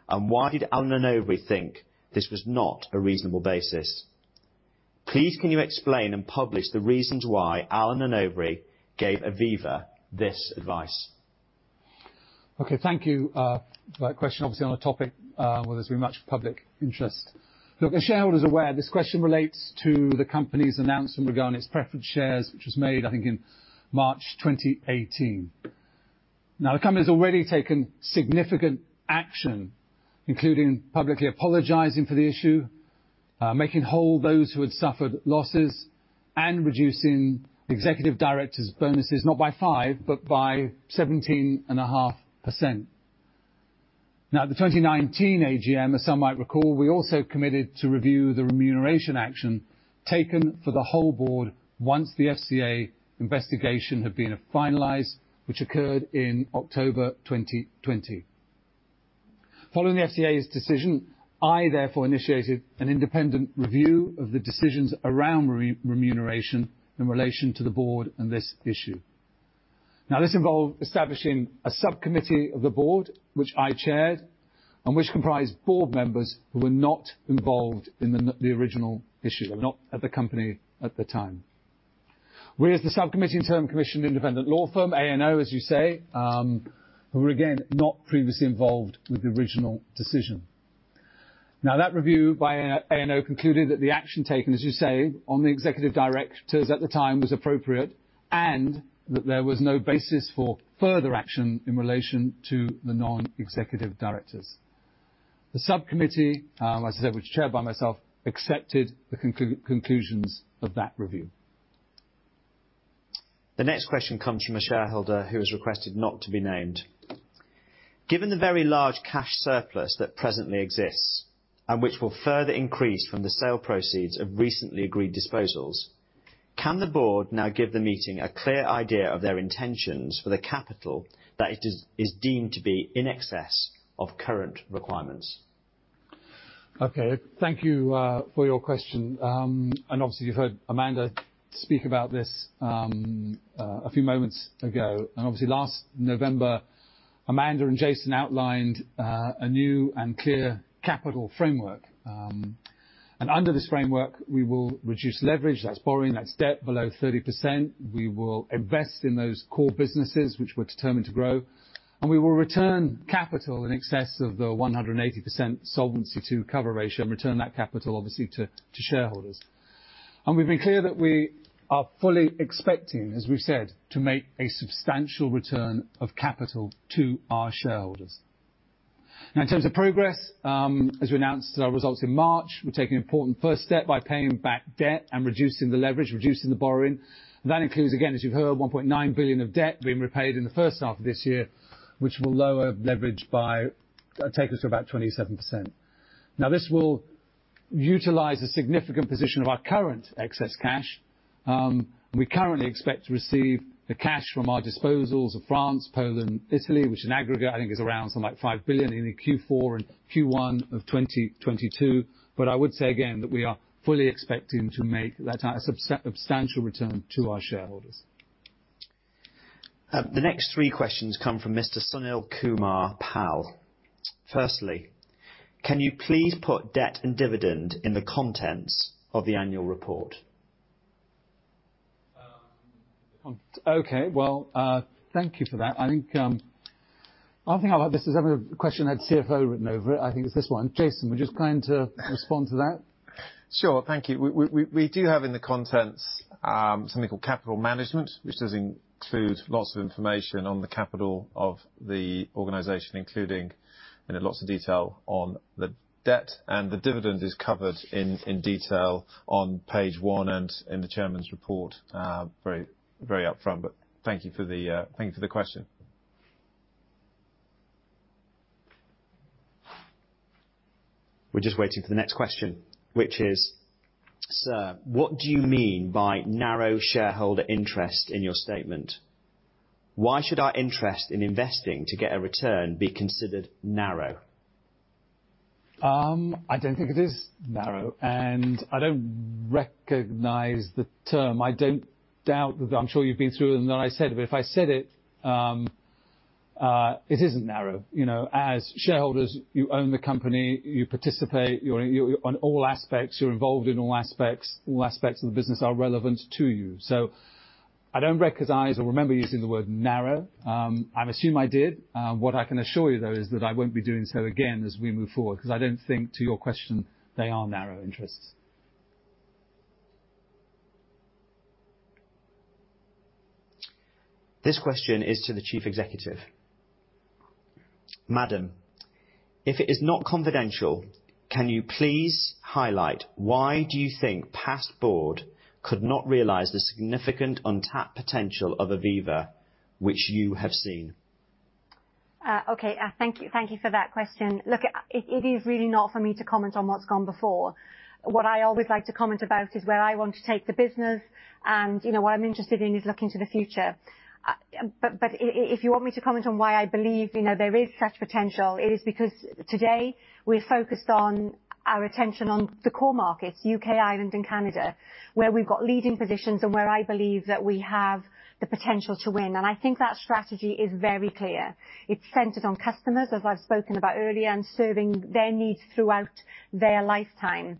and why did Allen & Overy think this was not a reasonable basis? Please, can you explain and publish the reasons why Allen & Overy gave Aviva this advice? Okay. Thank you for that question. Obviously, on a topic where there's very much public interest. Look, as shareholders are aware, this question relates to the company's announcement regarding its preference shares, which was made, I think, in March 2018. Now, the company has already taken significant action, including publicly apologizing for the issue, making whole those who had suffered losses, and reducing executive directors' bonuses, not by 5%, but by 17.5%. Now, at the 2019 AGM, as some might recall, we also committed to review the remuneration action taken for the whole board once the FCA investigation had been finalized, which occurred in October 2020. Following the FCA's decision, I therefore initiated an independent review of the decisions around remuneration in relation to the board and this issue. Now, this involved establishing a subcommittee of the board, which I chaired, and which comprised board members who were not involved in the original issue, not at the company at the time. We, as the subcommittee, in turn, commissioned an independent law firm, A&O, as you say, who were, again, not previously involved with the original decision. Now, that review by A&O concluded that the action taken, as you say, on the executive directors at the time was appropriate and that there was no basis for further action in relation to the non-executive directors. The subcommittee, as I said, which chaired by myself, accepted the conclusions of that review. The next question comes from a shareholder who has requested not to be named. Given the very large cash surplus that presently exists and which will further increase from the sale proceeds of recently agreed disposals, can the board now give the meeting a clear idea of their intentions for the capital that is deemed to be in excess of current requirements? Okay. Thank you for your question. And obviously, you've heard Amanda speak about this a few moments ago. And obviously, last November, Amanda and Jason outlined a new and clear capital framework. Under this framework, we will reduce leverage. That's borrowing. That's debt below 30%. We will invest in those core businesses which we're determined to grow. We will return capital in excess of the 180% Solvency II cover ratio and return that capital, obviously, to shareholders. We've been clear that we are fully expecting, as we've said, to make a substantial return of capital to our shareholders. Now, in terms of progress, as we announced our results in March, we're taking an important first step by paying back debt and reducing the leverage, reducing the borrowing. That includes, again, as you've heard, 1.9 billion of debt being repaid in the first half of this year, which will lower leverage by taking us to about 27%. Now, this will utilize a significant position of our current excess cash. We currently expect to receive the cash from our disposals of France, Poland, Italy, which in aggregate, I think, is around something like 5 billion in Q4 and Q1 of 2022. But I would say, again, that we are fully expecting to make that a substantial return to our shareholders. The next three questions come from Mr. Sunil Kumar Pal. Firstly, can you please put debt and dividend in the contents of the annual report? Okay. Well, thank you for that. I think I'll have this as a question I had CFO written over it. I think it's this one. Jason, would you just kind of respond to that? Sure. Thank you. We do have in the contents something called capital management, which does include lots of information on the capital of the organization, including lots of detail on the debt. The dividend is covered in detail on page one and in the chairman's report very upfront. But thank you for the question. We're just waiting for the next question, which is, "Sir, what do you mean by narrow shareholder interest in your statement? Why should our interest in investing to get a return be considered narrow?" I don't think it is narrow. And I don't recognize the term. I don't doubt that I'm sure you've been through it and that I said it. But if I said it, it isn't narrow. As shareholders, you own the company. You participate on all aspects. You're involved in all aspects. All aspects of the business are relevant to you. So I don't recognize or remember using the word narrow. I assume I did. What I can assure you, though, is that I won't be doing so again as we move forward because I don't think, to your question, they are narrow interests. This question is to the Chief Executive. Madam, if it is not confidential, can you please highlight why do you think past board could not realize the significant untapped potential of Aviva which you have seen? Okay. Thank you for that question. Look, it is really not for me to comment on what's gone before. What I always like to comment about is where I want to take the business. What I'm interested in is looking to the future. But if you want me to comment on why I believe there is such potential, it is because today we're focused on our attention on the core markets, U.K., Ireland, and Canada, where we've got leading positions and where I believe that we have the potential to win. And I think that strategy is very clear. It's centered on customers, as I've spoken about earlier, and serving their needs throughout their lifetime.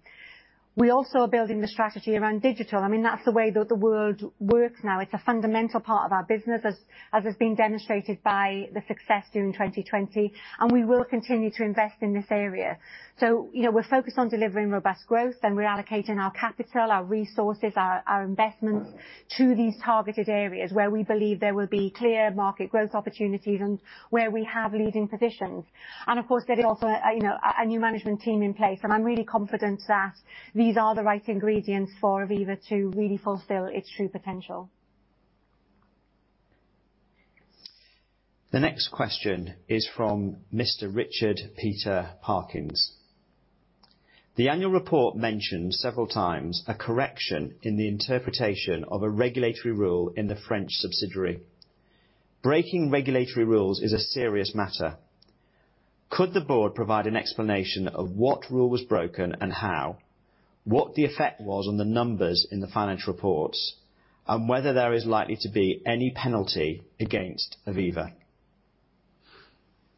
We also are building the strategy around digital. I mean, that's the way that the world works now. It's a fundamental part of our business, as has been demonstrated by the success during 2020. And we will continue to invest in this area. So we're focused on delivering robust growth, and we're allocating our capital, our resources, our investments to these targeted areas where we believe there will be clear market growth opportunities and where we have leading positions. Of course, there is also a new management team in place. I'm really confident that these are the right ingredients for Aviva to really fulfill its true potential. The next question is from Mr. Richard Peter Parkins. The annual report mentioned several times a correction in the interpretation of a regulatory rule in the French subsidiary. Breaking regulatory rules is a serious matter. Could the board provide an explanation of what rule was broken and how, what the effect was on the numbers in the financial reports, and whether there is likely to be any penalty against Aviva?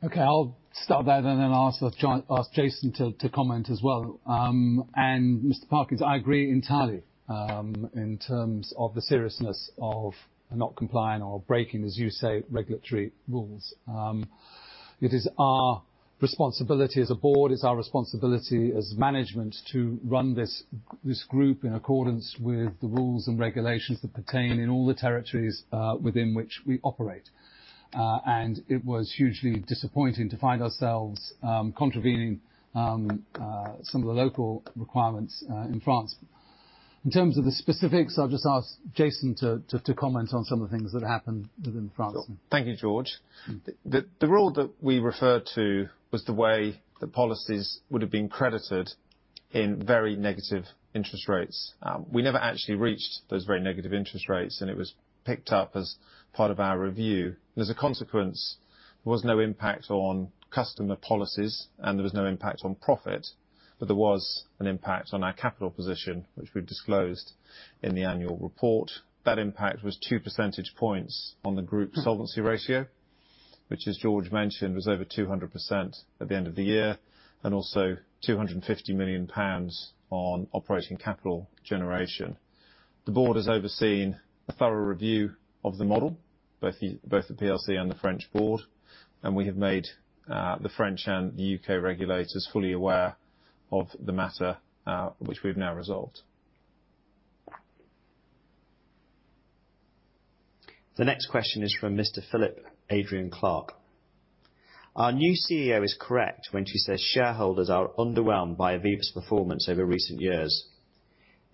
Okay. I'll start that and then ask Jason to comment as well. Mr. Parkins, I agree entirely in terms of the seriousness of not complying or breaking, as you say, regulatory rules. It is our responsibility as a board. It's our responsibility as management to run this group in accordance with the rules and regulations that pertain in all the territories within which we operate. And it was hugely disappointing to find ourselves contravening some of the local requirements in France. In terms of the specifics, I'll just ask Jason to comment on some of the things that happened within France. Thank you, George. The rule that we referred to was the way that policies would have been credited in very negative interest rates. We never actually reached those very negative interest rates, and it was picked up as part of our review. And as a consequence, there was no impact on customer policies, and there was no impact on profit. There was an impact on our capital position, which we've disclosed in the annual report. That impact was 2 percentage points on the group solvency ratio, which, as George mentioned, was over 200% at the end of the year, and also £250 million on operating capital generation. The board has overseen a thorough review of the model, both the PLC and the French board. We have made the French and the UK regulators fully aware of the matter, which we've now resolved. The next question is from Mr. Philip Adrian Clark. Our new CEO is correct when she says shareholders are underwhelmed by Aviva's performance over recent years.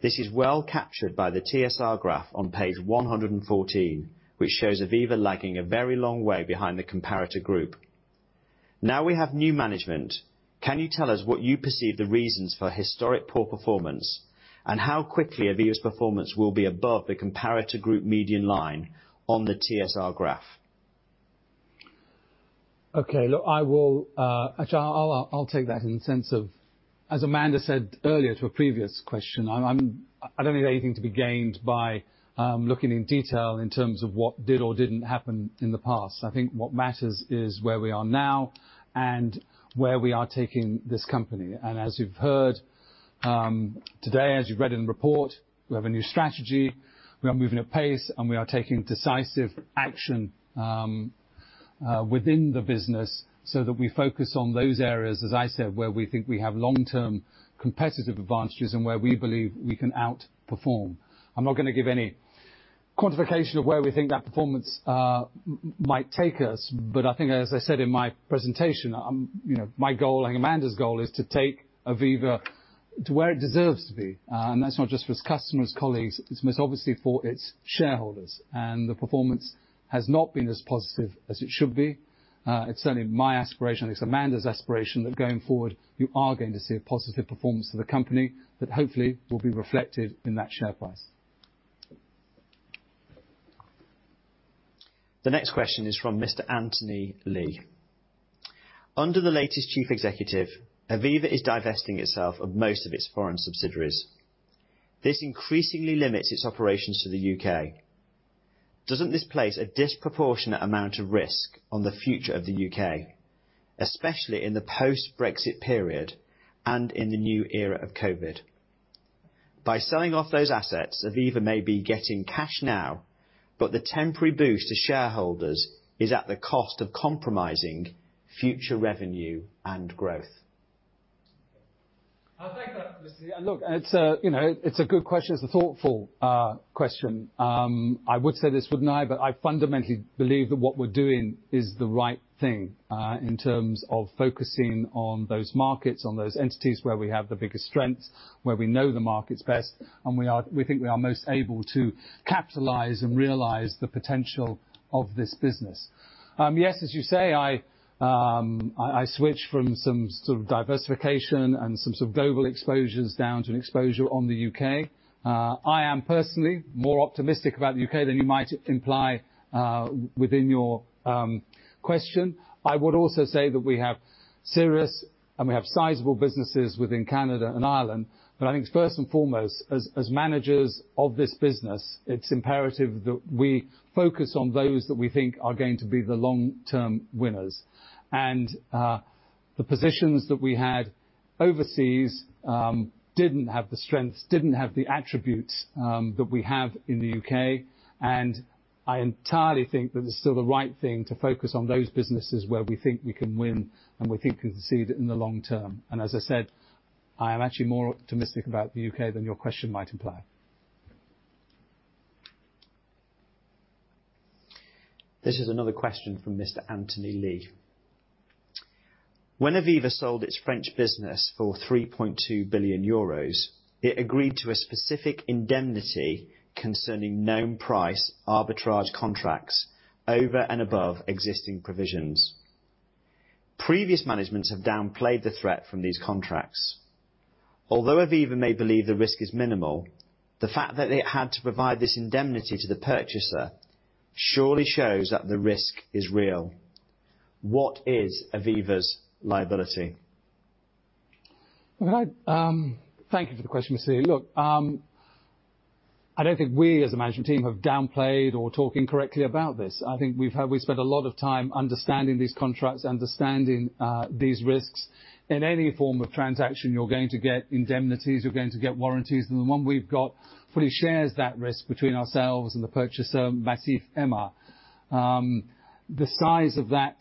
This is well captured by the TSR graph on page 114, which shows Aviva lagging a very long way behind the comparator group. Now we have new management. Can you tell us what you perceive the reasons for historic poor performance and how quickly Aviva's performance will be above the comparator group median line on the TSR graph? Okay. Look, I'll take that in the sense of, as Amanda said earlier to a previous question, I don't think there's anything to be gained by looking in detail in terms of what did or didn't happen in the past. I think what matters is where we are now and where we are taking this company. As you've heard today, as you've read in the report, we have a new strategy. We are moving at pace, and we are taking decisive action within the business so that we focus on those areas, as I said, where we think we have long-term competitive advantages and where we believe we can outperform. I'm not going to give any quantification of where we think that performance might take us. But I think, as I said in my presentation, my goal, Amanda's goal, is to take Aviva to where it deserves to be. And that's not just for its customers, colleagues. It's most obviously for its shareholders. And the performance has not been as positive as it should be. It's certainly my aspiration, I think, it's Amanda's aspiration that going forward, you are going to see a positive performance of the company that hopefully will be reflected in that share price. The next question is from Mr. Anthony Lee. Under the latest chief executive, Aviva is divesting itself of most of its foreign subsidiaries. This increasingly limits its operations to the UK. Doesn't this place a disproportionate amount of risk on the future of the UK, especially in the post-Brexit period and in the new era of COVID? By selling off those assets, Aviva may be getting cash now, but the temporary boost to shareholders is at the cost of compromising future revenue and growth. I think that, look, it's a good question. It's a thoughtful question. I would say this, wouldn't I, but I fundamentally believe that what we're doing is the right thing in terms of focusing on those markets, on those entities where we have the biggest strengths, where we know the markets best, and we think we are most able to capitalize and realize the potential of this business. Yes, as you say, I switch from some sort of diversification and some sort of global exposures down to an exposure on the UK. I am personally more optimistic about the UK than you might imply within your question. I would also say that we have serious and we have sizable businesses within Canada and Ireland. But I think first and foremost, as managers of this business, it's imperative that we focus on those that we think are going to be the long-term winners. And the positions that we had overseas didn't have the strength, didn't have the attributes that we have in the UK. And I entirely think that it's still the right thing to focus on those businesses where we think we can win and we think we can succeed in the long term. And as I said, I am actually more optimistic about the UK than your question might imply. This is another question from Mr. Anthony Lee. When Aviva sold its French business for 3.2 billion euros, it agreed to a specific indemnity concerning known price arbitrage contracts over and above existing provisions. Previous managements have downplayed the threat from these contracts. Although Aviva may believe the risk is minimal, the fact that it had to provide this indemnity to the purchaser surely shows that the risk is real. What is Aviva's liability? Thank you for the question, Mr. Lee. Look, I don't think we as a management team have downplayed or talking correctly about this. I think we've spent a lot of time understanding these contracts, understanding these risks. In any form of transaction, you're going to get indemnities. You're going to get warranties. And the one we've got fully shares that risk between ourselves and the purchaser, Aéma Groupe. The size of that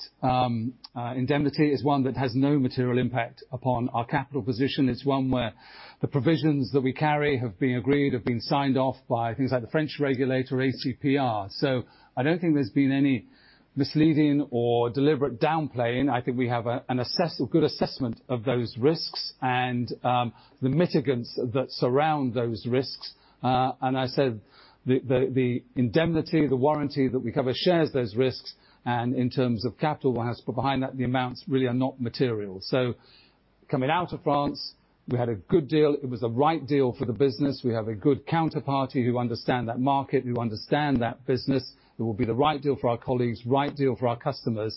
indemnity is one that has no material impact upon our capital position. It's one where the provisions that we carry have been agreed, have been signed off by things like the French regulator, ACPR. So I don't think there's been any misleading or deliberate downplaying. I think we have a good assessment of those risks and the mitigants that surround those risks. And I said the indemnity, the warranty that we cover shares those risks. And in terms of capital, we'll have to put behind that the amounts really are not material. So coming out of France, we had a good deal. It was a right deal for the business. We have a good counterparty who understand that market, who understand that business. It will be the right deal for our colleagues, right deal for our customers.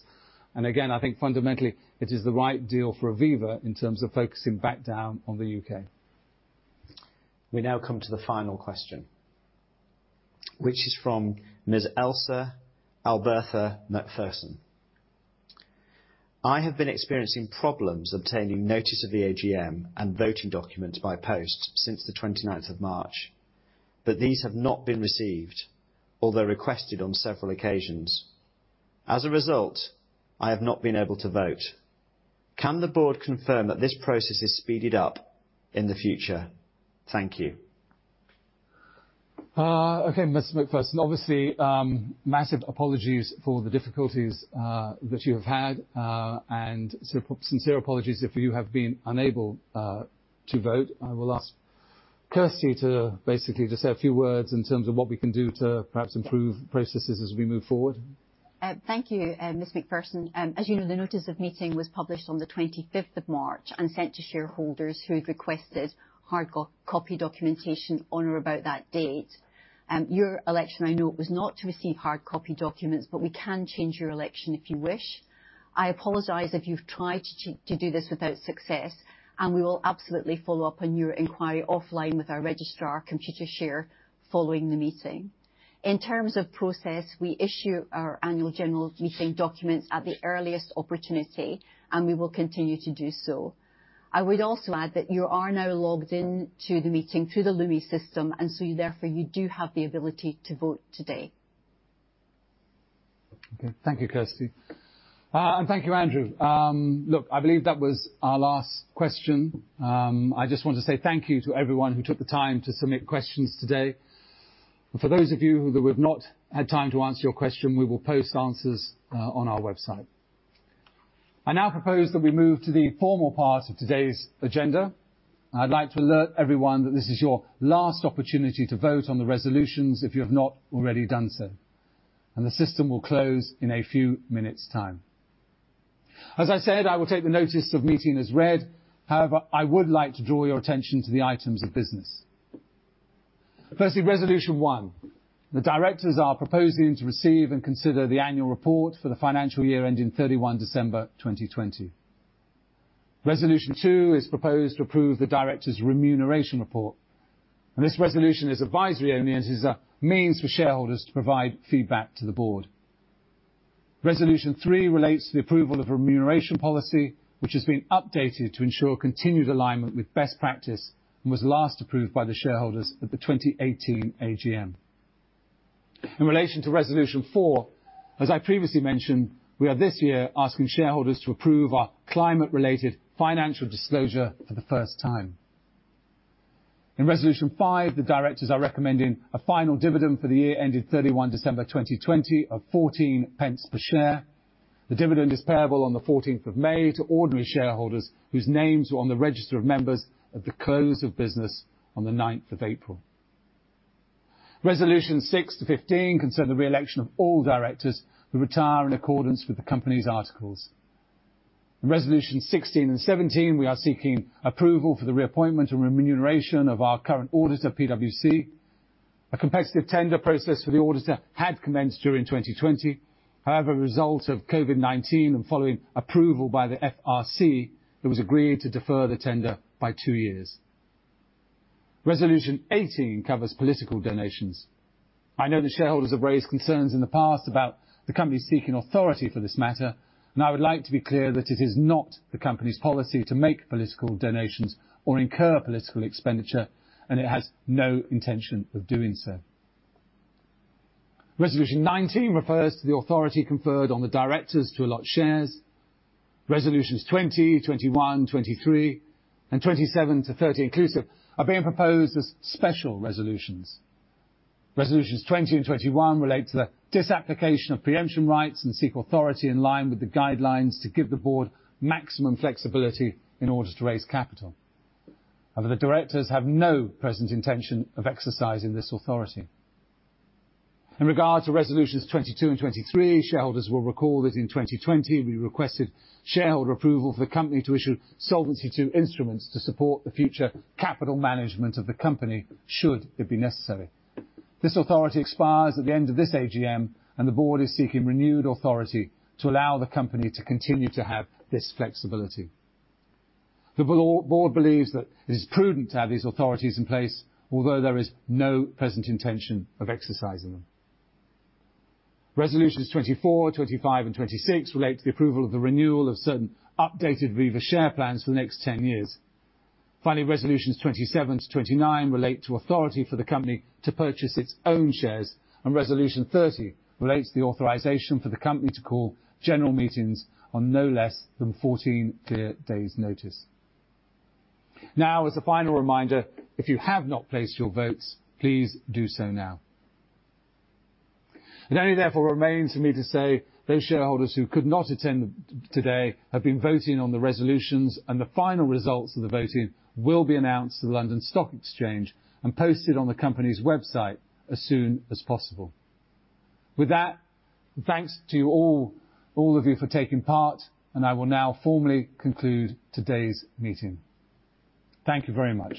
And again, I think fundamentally it is the right deal for Aviva in terms of focusing back down on the UK. We now come to the final question, which is from Ms. Elsa Alberta McPherson. I have been experiencing problems obtaining notice of the AGM and voting documents by post since the 29th of March, but these have not been received, although requested on several occasions. As a result, I have not been able to vote. Can the board confirm that this process is speeded up in the future? Thank you. Okay. Mr. McPherson, obviously, massive apologies for the difficulties that you have had. Sincere apologies if you have been unable to vote. I will ask Kirsty to basically just say a few words in terms of what we can do to perhaps improve processes as we move forward. Thank you, Ms. McPherson. As you know, the notice of meeting was published on the 25th of March and sent to shareholders who had requested hard copy documentation on or about that date. Your election, I know, was not to receive hard copy documents, but we can change your election if you wish. I apologize if you've tried to do this without success. We will absolutely follow up on your inquiry offline with our registrar, Computershare, following the meeting. In terms of process, we issue our annual general meeting documents at the earliest opportunity, and we will continue to do so. I would also add that you are now logged in to the meeting through the Lumi system, and so therefore you do have the ability to vote today. Okay. Thank you, Kirsty. Thank you, Andrew. Look, I believe that was our last question. I just want to say thank you to everyone who took the time to submit questions today. For those of you who would have not had time to answer your question, we will post answers on our website. I now propose that we move to the formal part of today's agenda. I'd like to alert everyone that this is your last opportunity to vote on the resolutions if you have not already done so. The system will close in a few minutes' time. As I said, I will take the notice of meeting as read. However, I would like to draw your attention to the items of business. Firstly, Resolution One. The directors are proposing to receive and consider the annual report for the financial year ending 31 December 2020. Resolution Two is proposed to approve the directors' remuneration report. This resolution is advisory only and is a means for shareholders to provide feedback to the board. Resolution 3 relates to the approval of a remuneration policy, which has been updated to ensure continued alignment with best practice and was last approved by the shareholders at the 2018 AGM. In relation to Resolution 4, as I previously mentioned, we are this year asking shareholders to approve our climate-related financial disclosure for the first time. In Resolution 5, the directors are recommending a final dividend for the year ending 31 December 2020 of £0.14 per share. The dividend is payable on the 14th of May to ordinary shareholders whose names are on the register of members at the close of business on the 9th of April. Resolutions 6 to 15 concern the re-election of all directors who retire in accordance with the company's articles. In Resolutions 16 and 17, we are seeking approval for the reappointment and remuneration of our current auditor, PwC. A competitive tender process for the auditor had commenced during 2020. However, as a result of COVID-19 and following approval by the FRC, it was agreed to defer the tender by 2 years. Resolution 18 covers political donations. I know that shareholders have raised concerns in the past about the company seeking authority for this matter. I would like to be clear that it is not the company's policy to make political donations or incur political expenditure, and it has no intention of doing so. Resolution 19 refers to the authority conferred on the directors to allot shares. Resolutions 20, 21, 23, and 27 to 30 inclusive are being proposed as special resolutions. Resolutions 20 and 21 relate to the disapplication of preemption rights and seek authority in line with the guidelines to give the board maximum flexibility in order to raise capital. However, the directors have no present intention of exercising this authority. In regard to Resolutions 22 and 23, shareholders will recall that in 2020, we requested shareholder approval for the company to issue Solvency II instruments to support the future capital management of the company should it be necessary. This authority expires at the end of this AGM, and the board is seeking renewed authority to allow the company to continue to have this flexibility. The board believes that it is prudent to have these authorities in place, although there is no present intention of exercising them. Resolutions 24, 25, and 26 relate to the approval of the renewal of certain updated Aviva share plans for the next 10 years. Finally, Resolutions 27 to 29 relate to authority for the company to purchase its own shares. Resolution 30 relates to the authorization for the company to call general meetings on no less than 14 clear days' notice. Now, as a final reminder, if you have not placed your votes, please do so now. It only therefore remains for me to say those shareholders who could not attend today have been voting on the resolutions, and the final results of the voting will be announced to the London Stock Exchange and posted on the company's website as soon as possible. With that, thanks to all of you for taking part, and I will now formally conclude today's meeting. Thank you very much.